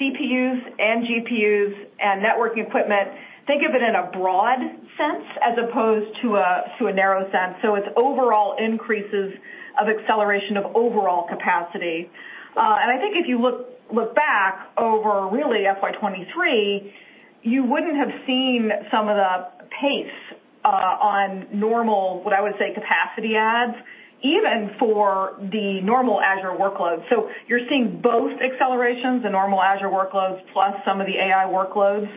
CPUs and GPUs and networking equipment. Think of it in a broad sense as opposed to a narrow sense, so it's overall increases of acceleration of overall capacity. I think if you look back over really FY 2023, you wouldn't have seen some of the pace on normal, what I would say, capacity adds, even for the normal Azure workloads. You're seeing both accelerations, the normal Azure workloads, plus some of the AI workloads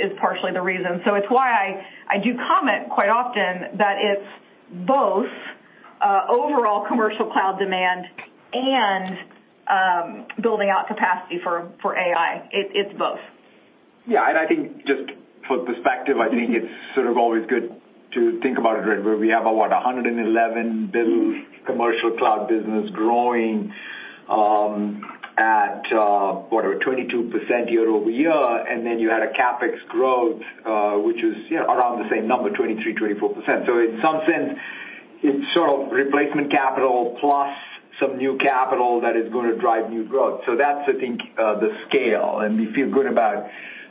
is partially the reason. It's why I do comment quite often that it's both, overall commercial cloud demand and, building out capacity for AI. It's both.
I think just for perspective, I think it's sort of always good to think about it, right, where we have, what, 111 commercial cloud business growing at what, a 22% year-over-year, and then you had a CapEx growth, which is, you know, around the same number, 23%-24%. In some sense, it's sort of replacement capital plus some new capital that is going to drive new growth. That's, I think, the scale, and we feel good about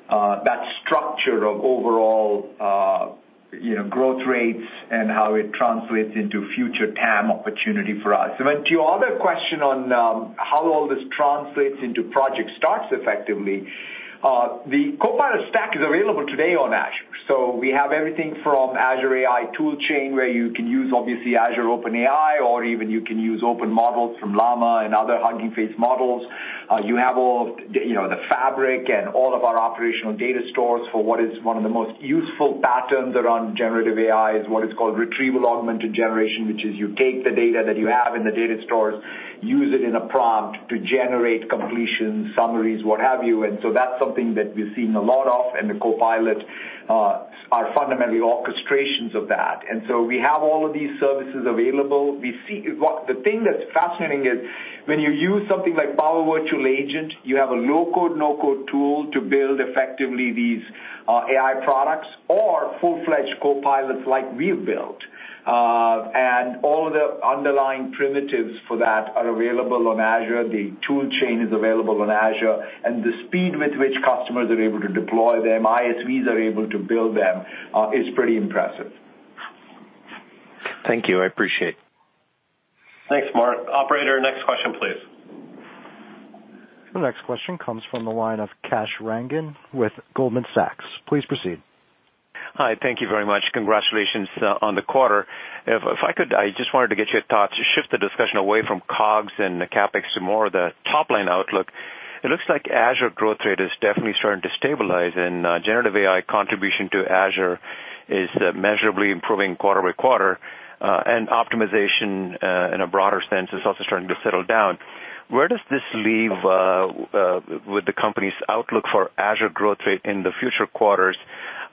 that structure of overall, you know, growth rates and how it translates into future TAM opportunity for us. To your other question on, how all this translates into project starts effectively, the Copilot stack is available today on Azure. We have everything from Azure AI tool chain, where you can use, obviously, Azure OpenAI, or even you can use open models from Llama and other Hugging Face models. You have all, you know, the fabric and all of our operational data stores for what is one of the most useful patterns around generative AI, is what is called retrieval augmented generation, which is you take the data that you have in the data stores, use it in a prompt to generate completion, summaries, what have you. That's something that we've seen a lot of, and the Copilots are fundamentally orchestrations of that. We have all of these services available. Well, the thing that's fascinating is, when you use something like Power Virtual Agent, you have a low-code, no-code tool to build effectively these AI products or full-fledged Copilots like we've built. All the underlying primitives for that are available on Azure. The tool chain is available on Azure, and the speed with which customers are able to deploy them, ISVs are able to build them, is pretty impressive.
Thank you. I appreciate it.
Thanks, Mark. Operator, next question, please?
The next question comes from the line of Kash Rangan with Goldman Sachs. Please proceed.
Hi, thank you very much. Congratulations on the quarter. If I could, I just wanted to get your thoughts, to shift the discussion away from COGS and the CapEx to more the top-line outlook. It looks like Azure growth rate is definitely starting to stabilize, and generative AI contribution to Azure is measurably improving quarter by quarter, and optimization in a broader sense, is also starting to settle down. Where does this leave with the company's outlook for Azure growth rate in the future quarters?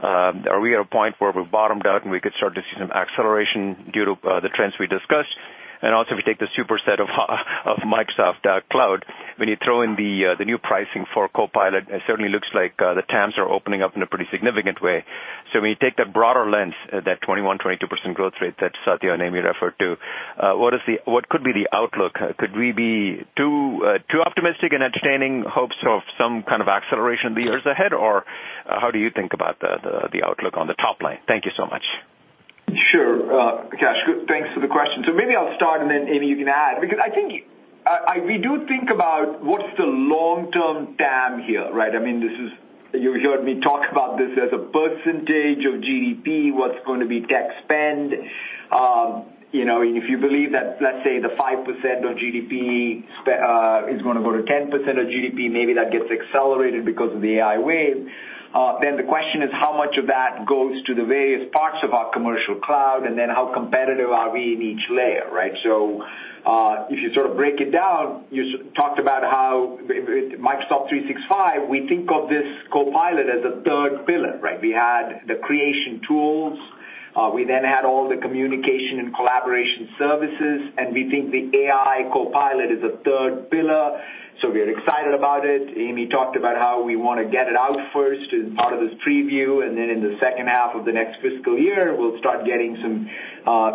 Are we at a point where we've bottomed out, and we could start to see some acceleration due to the trends we discussed? Also, if you take the super set of Microsoft Cloud, when you throw in the new pricing for Copilot, it certainly looks like the TAMs are opening up in a pretty significant way. When you take that broader lens, that 21%-22% growth rate that Satya and Amy referred to, what could be the outlook? Could we be too optimistic in entertaining hopes of some kind of acceleration in the years ahead? Or how do you think about the outlook on the top line? Thank you so much.
Sure, Kash, thanks for the question. Maybe I'll start and then, Amy, you can add, because I think, I, we do think about what's the long-term TAM here, right? I mean, this is, you heard me talk about this as a percentage of GDP, what's going to be tech spend. You know, and if you believe that, let's say the 5% of GDP is going to go to 10% of GDP, maybe that gets accelerated because of the AI wave, then the question is, how much of that goes to the various parts of our commercial cloud, and then how competitive are we in each layer, right? If you sort of break it down, you talked about how Microsoft 365, we think of this Copilot as a third pillar, right? We had the creation tools, we then had all the communication and collaboration services. We think the AI Copilot is a third pillar. We're excited about it. Amy talked about how we want to get it out first as part of this preview. Then in the second half of the next fiscal year, we'll start getting some,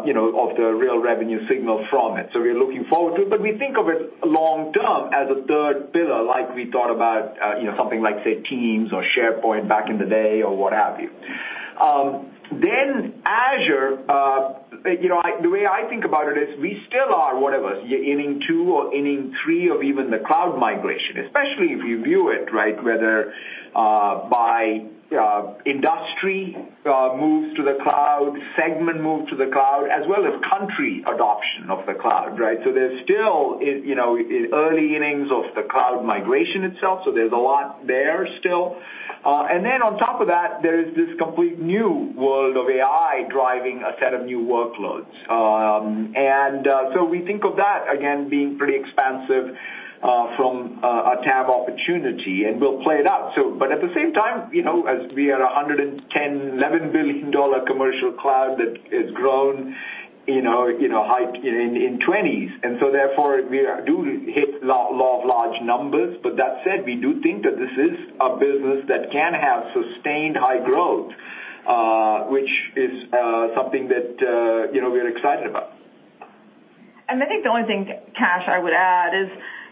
you know, of the real revenue signal from it. We're looking forward to it. We think of it long term as a third pillar, like we thought about, you know, something like, say, Teams or SharePoint back in the day or what have you. Azure, you know, the way I think about it is we still are, whatever, inning two or inning three of even the cloud migration, especially if you view it, right, whether, by, industry, moves to the cloud, segment move to the cloud, as well as country adoption of the cloud, right? There's still, you know, early innings of the cloud migration itself, so there's a lot there still. On top of that, there is this complete new world of AI driving a set of new workloads. We think of that, again, being pretty expansive, from, a TAM opportunity, and we'll play it out. At the same time, you know, as we are a $110 billion-$111 billion commercial cloud that has grown in our, you know, high in 20s, and therefore, we do hit lot of large numbers. That said, we do think that this is a business that can have sustained high growth, which is something that, you know, we're excited about.
I think the only thing, Kash, I would add is,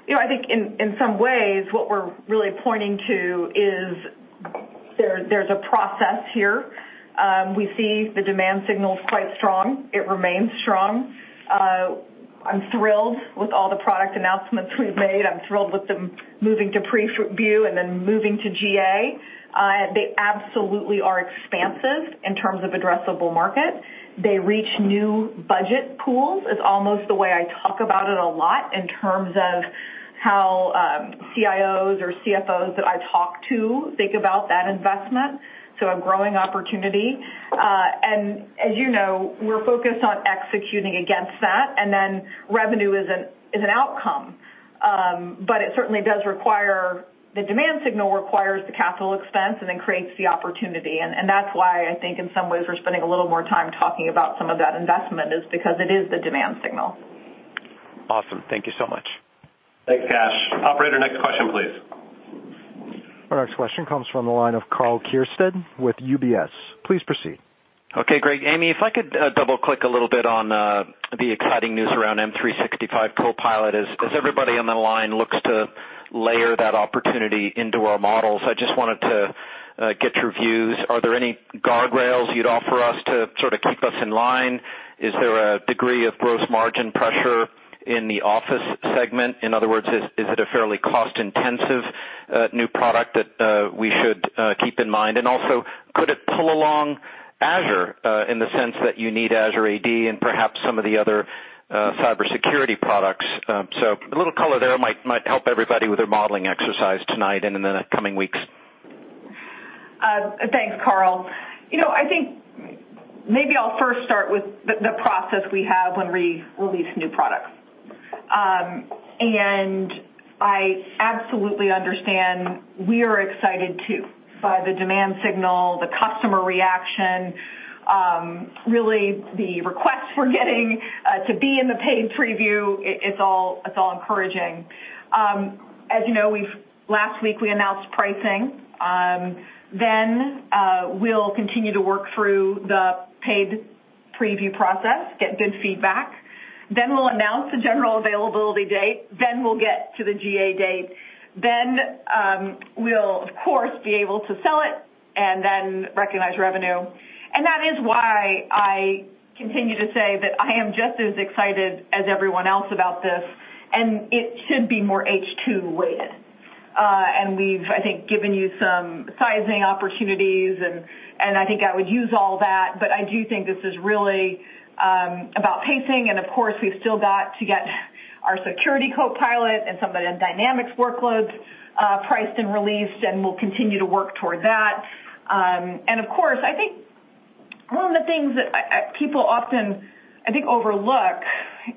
you know, I think in some ways, what we're really pointing to is there's a process here. We see the demand signal is quite strong. It remains strong. I'm thrilled with all the product announcements we've made. I'm thrilled with them moving to preview and then moving to GA. They absolutely are expansive in terms of addressable market. They reach new budget pools, is almost the way I talk about it a lot in terms of how CIOs or CFOs that I talk to think about that investment, so a growing opportunity. As you know, we're focused on executing against that, and then revenue is an, is an outcome. It certainly does require... The demand signal requires the capital expense and then creates the opportunity. That's why I think in some ways we're spending a little more time talking about some of that investment, is because it is the demand signal.
Awesome. Thank you so much.
Thanks, Kash. Operator, next question, please.
Our next question comes from the line of Karl Keirstead with UBS. Please proceed.
Okay, great. Amy, if I could double-click a little bit on the exciting news around M365 Copilot. As everybody on the line looks to layer that opportunity into our models, I just wanted to get your views. Are there any guardrails you'd offer us to sort of keep us in line? Is there a degree of gross margin pressure in the Office segment? In other words, is it a fairly cost-intensive new product that we should keep in mind? Also, could it pull along Azure in the sense that you need Azure AD and perhaps some of the other cybersecurity products? A little color there might help everybody with their modeling exercise tonight and in the coming weeks.
Thanks, Karl. You know, I think maybe I'll first start with the process we have when we release new products. I absolutely understand we are excited, too, by the demand signal, the customer reaction, really the requests we're getting to be in the paid preview. It's all encouraging. As you know, last week, we announced pricing. We'll continue to work through the paid preview process, get good feedback. We'll announce the general availability date, then we'll get to the GA date. We'll, of course, be able to sell it and then recognize revenue. That is why I continue to say that I am just as excited as everyone else about this, and it should be more H2 weighted. We've, I think, given you some sizing opportunities, and I think I would use all that, but I do think this is really about pacing. Of course, we've still got to get our Microsoft Security Copilot and some of the Dynamics workloads priced and released, and we'll continue to work toward that. Of course, I think one of the things that people often, I think, overlook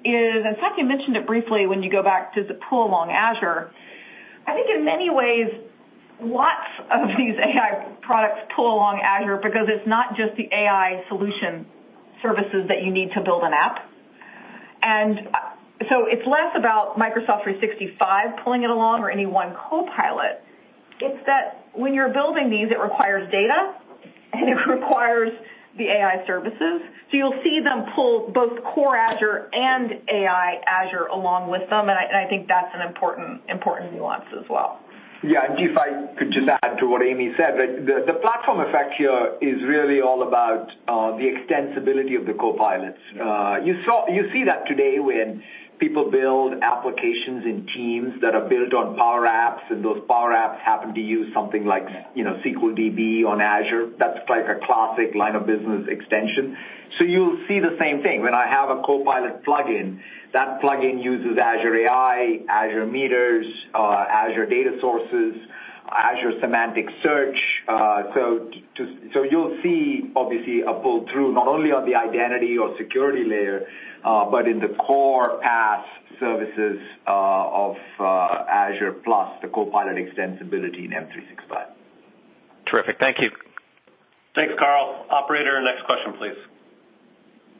is, and Satya Nadella mentioned it briefly, when you go back to the pull along Azure. I think in many ways, lots of these AI products pull along Azure because it's not just the AI solution services that you need to build an app. It's less about Microsoft 365 pulling it along or any one copilot. It's that when you're building these, it requires data, and it requires the AI services. You'll see them pull both core Azure and AI Azure along with them, and I think that's an important nuance as well.
Yeah, if I could just add to what Amy said, that the platform effect here is really all about the extensibility of the Copilots. You see that today when people build applications in Teams that are built on Power Apps, and those Power Apps happen to use something like, you know, SQL DB on Azure. That's like a classic line of business extension. You'll see the same thing. When I have a Copilot plugin, that plugin uses Azure AI, Azure Meters, Azure Data Sources, Azure Semantic Search. You'll see obviously a pull-through, not only on the identity or security layer, but in the core PaaS services of Azure, plus the Copilot extensibility in M365.
Terrific. Thank you.
Thanks, Karl. Operator, next question, please.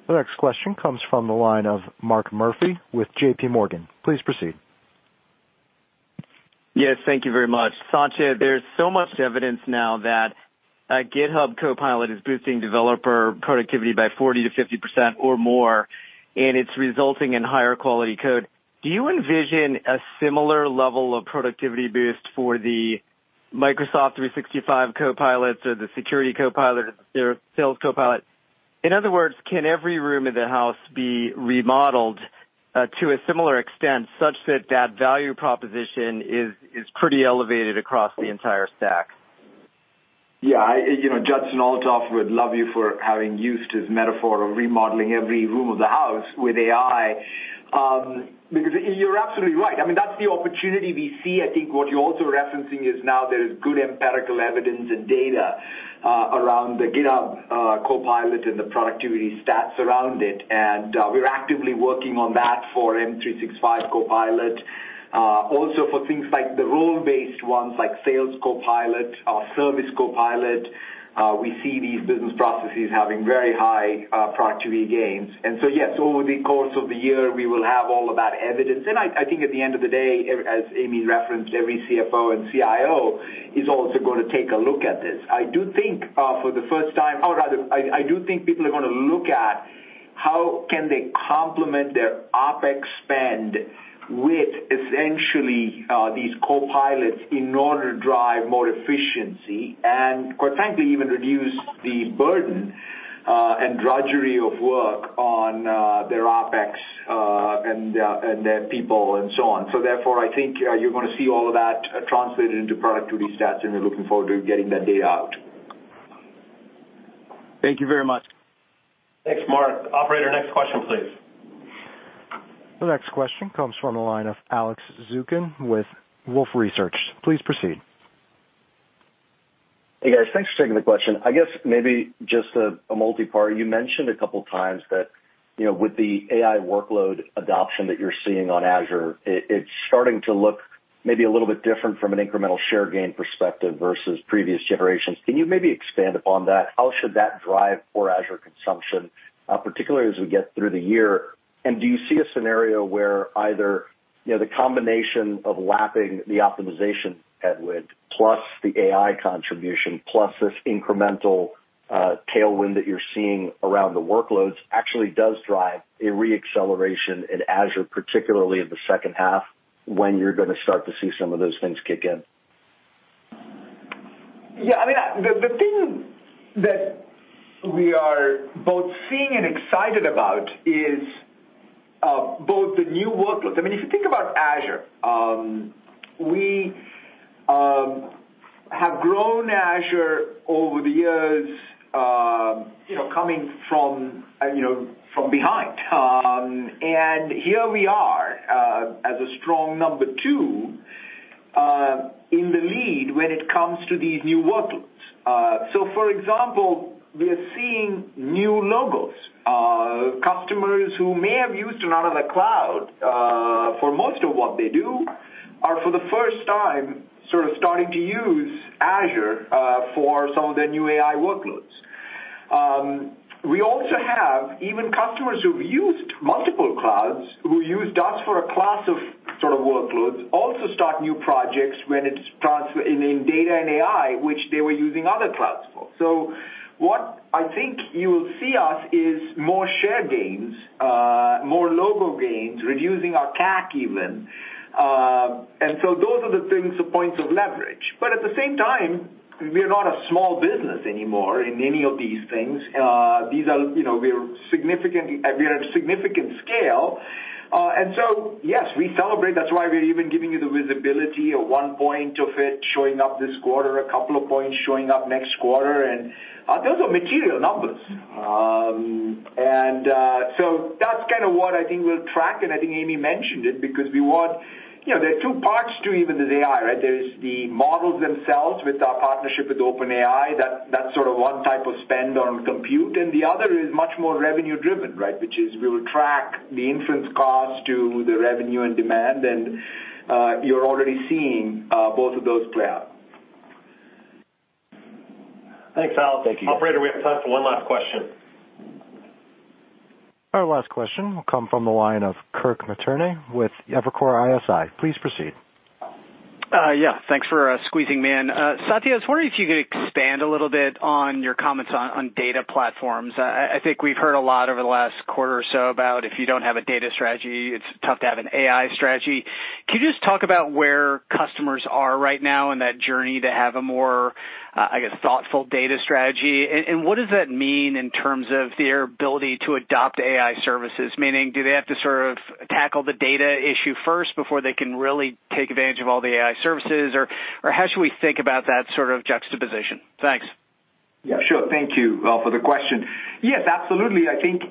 The next question comes from the line of Mark Murphy with JPMorgan. Please proceed.
Yes, thank you very much. Satya, there's so much evidence now that GitHub Copilot is boosting developer productivity by 40% to 50% or more, and it's resulting in higher quality code. Do you envision a similar level of productivity boost for the Microsoft 365 Copilot or the Security Copilot or the Sales Copilot? In other words, can every room in the house be remodeled to a similar extent, such that that value proposition is pretty elevated across the entire stack?
I, you know, Judson Althoff would love you for having used his metaphor of remodeling every room of the house with AI, because you're absolutely right. I mean, that's the opportunity we see. I think what you're also referencing is now there is good empirical evidence and data around the GitHub Copilot and the productivity stats around it. We're actively working on that for M365 Copilot. Also for things like the role-based ones, like Sales Copilot or Service Copilot, we see these business processes having very high productivity gains. Yes, over the course of the year, we will have all of that evidence. I think at the end of the day, as Amy referenced, every CFO and CIO is also going to take a look at this. I do think, for the first time, or rather, I do think people are going to look at how can they complement their OpEx spend with essentially, these copilots in order to drive more efficiency and, quite frankly, even reduce the burden, and drudgery of work on, their OpEx, and their people and so on. Therefore, I think, you're going to see all of that translated into productivity stats, and we're looking forward to getting that data out.
Thank you very much.
Thanks, Mark. Operator, next question, please?
The next question comes from the line of Alex Zukin with Wolfe Research. Please proceed.
Hey, guys. Thanks for taking the question. I guess maybe just a multipart. You mentioned a couple of times that, you know, with the AI workload adoption that you're seeing on Azure, it's starting to look maybe a little bit different from an incremental share gain perspective versus previous generations. Can you maybe expand upon that? How should that drive for Azure consumption, particularly as we get through the year? Do you see a scenario where either, you know, the combination of lapping the optimization headwind, plus the AI contribution, plus this incremental tailwind that you're seeing around the workloads, actually does drive a re-acceleration in Azure, particularly in the second half, when you're going to start to see some of those things kick in?
Yeah, I mean, the thing that we are both seeing and excited about is both the new workloads. I mean, if you think about Azure, we have grown Azure over the years, you know, coming from, you know, from behind. Here we are as a strong number two in the lead when it comes to these new workloads. For example, we are seeing new logos. Customers who may have used another cloud for most of what they do, are for the first time, sort of starting to use Azure for some of their new AI workloads. We also have even customers who've used multiple clouds, who use us for a class of sort of workloads, also start new projects when it's in data and AI, which they were using other clouds for. What I think you'll see us is more share gains, more logo gains, reducing our CAC even. Those are the things of points of leverage. At the same time, we are not a small business anymore in any of these things. These are, you know, we are at a significant scale. Yes, we celebrate. That's why we're even giving you the visibility of one point of it showing up this quarter, a couple of points showing up next quarter, and those are material numbers. That's kind of what I think we'll track, and I think Amy mentioned it because we want... You know, there are two parts to even this AI, right? There's the models themselves with our partnership with OpenAI, that's sort of one type of spend on compute, and the other is much more revenue-driven, right? Which is we will track the inference costs to the revenue and demand, and you're already seeing both of those play out.
Thanks, Al.Thank you. Operator, we have time for one last question.
Our last question will come from the line of Kirk Materne with Evercore ISI. Please proceed.
Yeah, thanks for squeezing me in. Satya, I was wondering if you could expand a little bit on your comments on data platforms. I think we've heard a lot over the last quarter or so about if you don't have a data strategy, it's tough to have an AI strategy. Can you just talk about where customers are right now in that journey to have a more, I guess, thoughtful data strategy? What does that mean in terms of their ability to adopt AI services? Meaning, do they have to sort of tackle the data issue first before they can really take advantage of all the AI services? Or how should we think about that sort of juxtaposition? Thanks.
Yeah, sure. Thank you for the question. Yes, absolutely. I think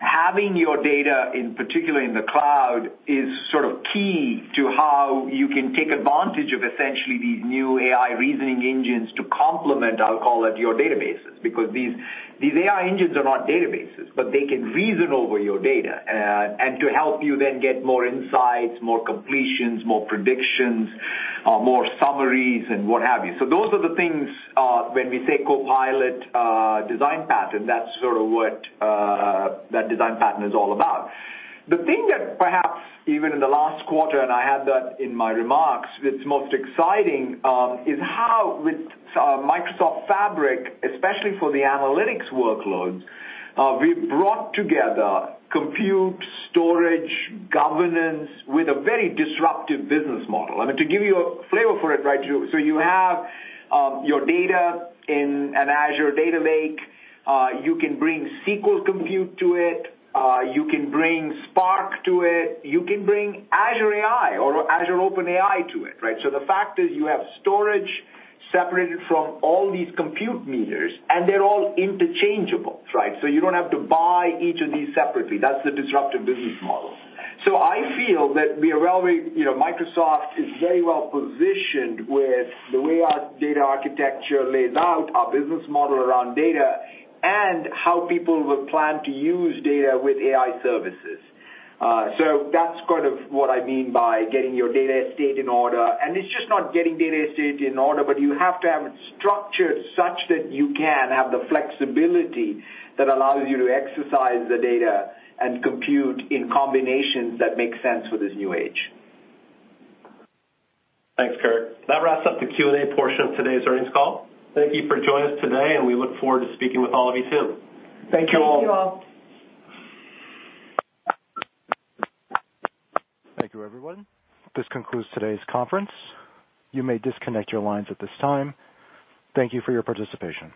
having your data, in particular in the cloud, is sort of key to how you can take advantage of essentially these new AI reasoning engines to complement, I'll call it, your databases. These AI engines are not databases, but they can reason over your data and to help you then get more insights, more completions, more predictions, more summaries, and what have you. Those are the things when we say copilot design pattern, that's sort of what that design pattern is all about. The thing that perhaps even in the last quarter, and I had that in my remarks, that's most exciting, is how with Microsoft Fabric, especially for the analytics workloads, we've brought together compute, storage, governance with a very disruptive business model. I mean, to give you a flavor for it, right, you have your data in an Azure data lake. You can bring SQL compute to it. You can bring Spark to it. You can bring Azure AI or Azure OpenAI to it, right? The fact is you have storage separated from all these compute meters, and they're all interchangeable, right? You don't have to buy each of these separately. That's the disruptive business model. I feel that we are very. You know, Microsoft is very well positioned with the way our data architecture lays out our business model around data and how people will plan to use data with AI services. That's kind of what I mean by getting your data estate in order. It's just not getting data estate in order, but you have to have it structured such that you can have the flexibility that allows you to exercise the data and compute in combinations that make sense with this new age.
Thanks, Kirk. That wraps up the Q&A portion of today's earnings call. Thank you for joining us today, and we look forward to speaking with all of you soon.
Thank you all.
Thank you, everyone. This concludes today's conference. You may disconnect your lines at this time. Thank you for your participation.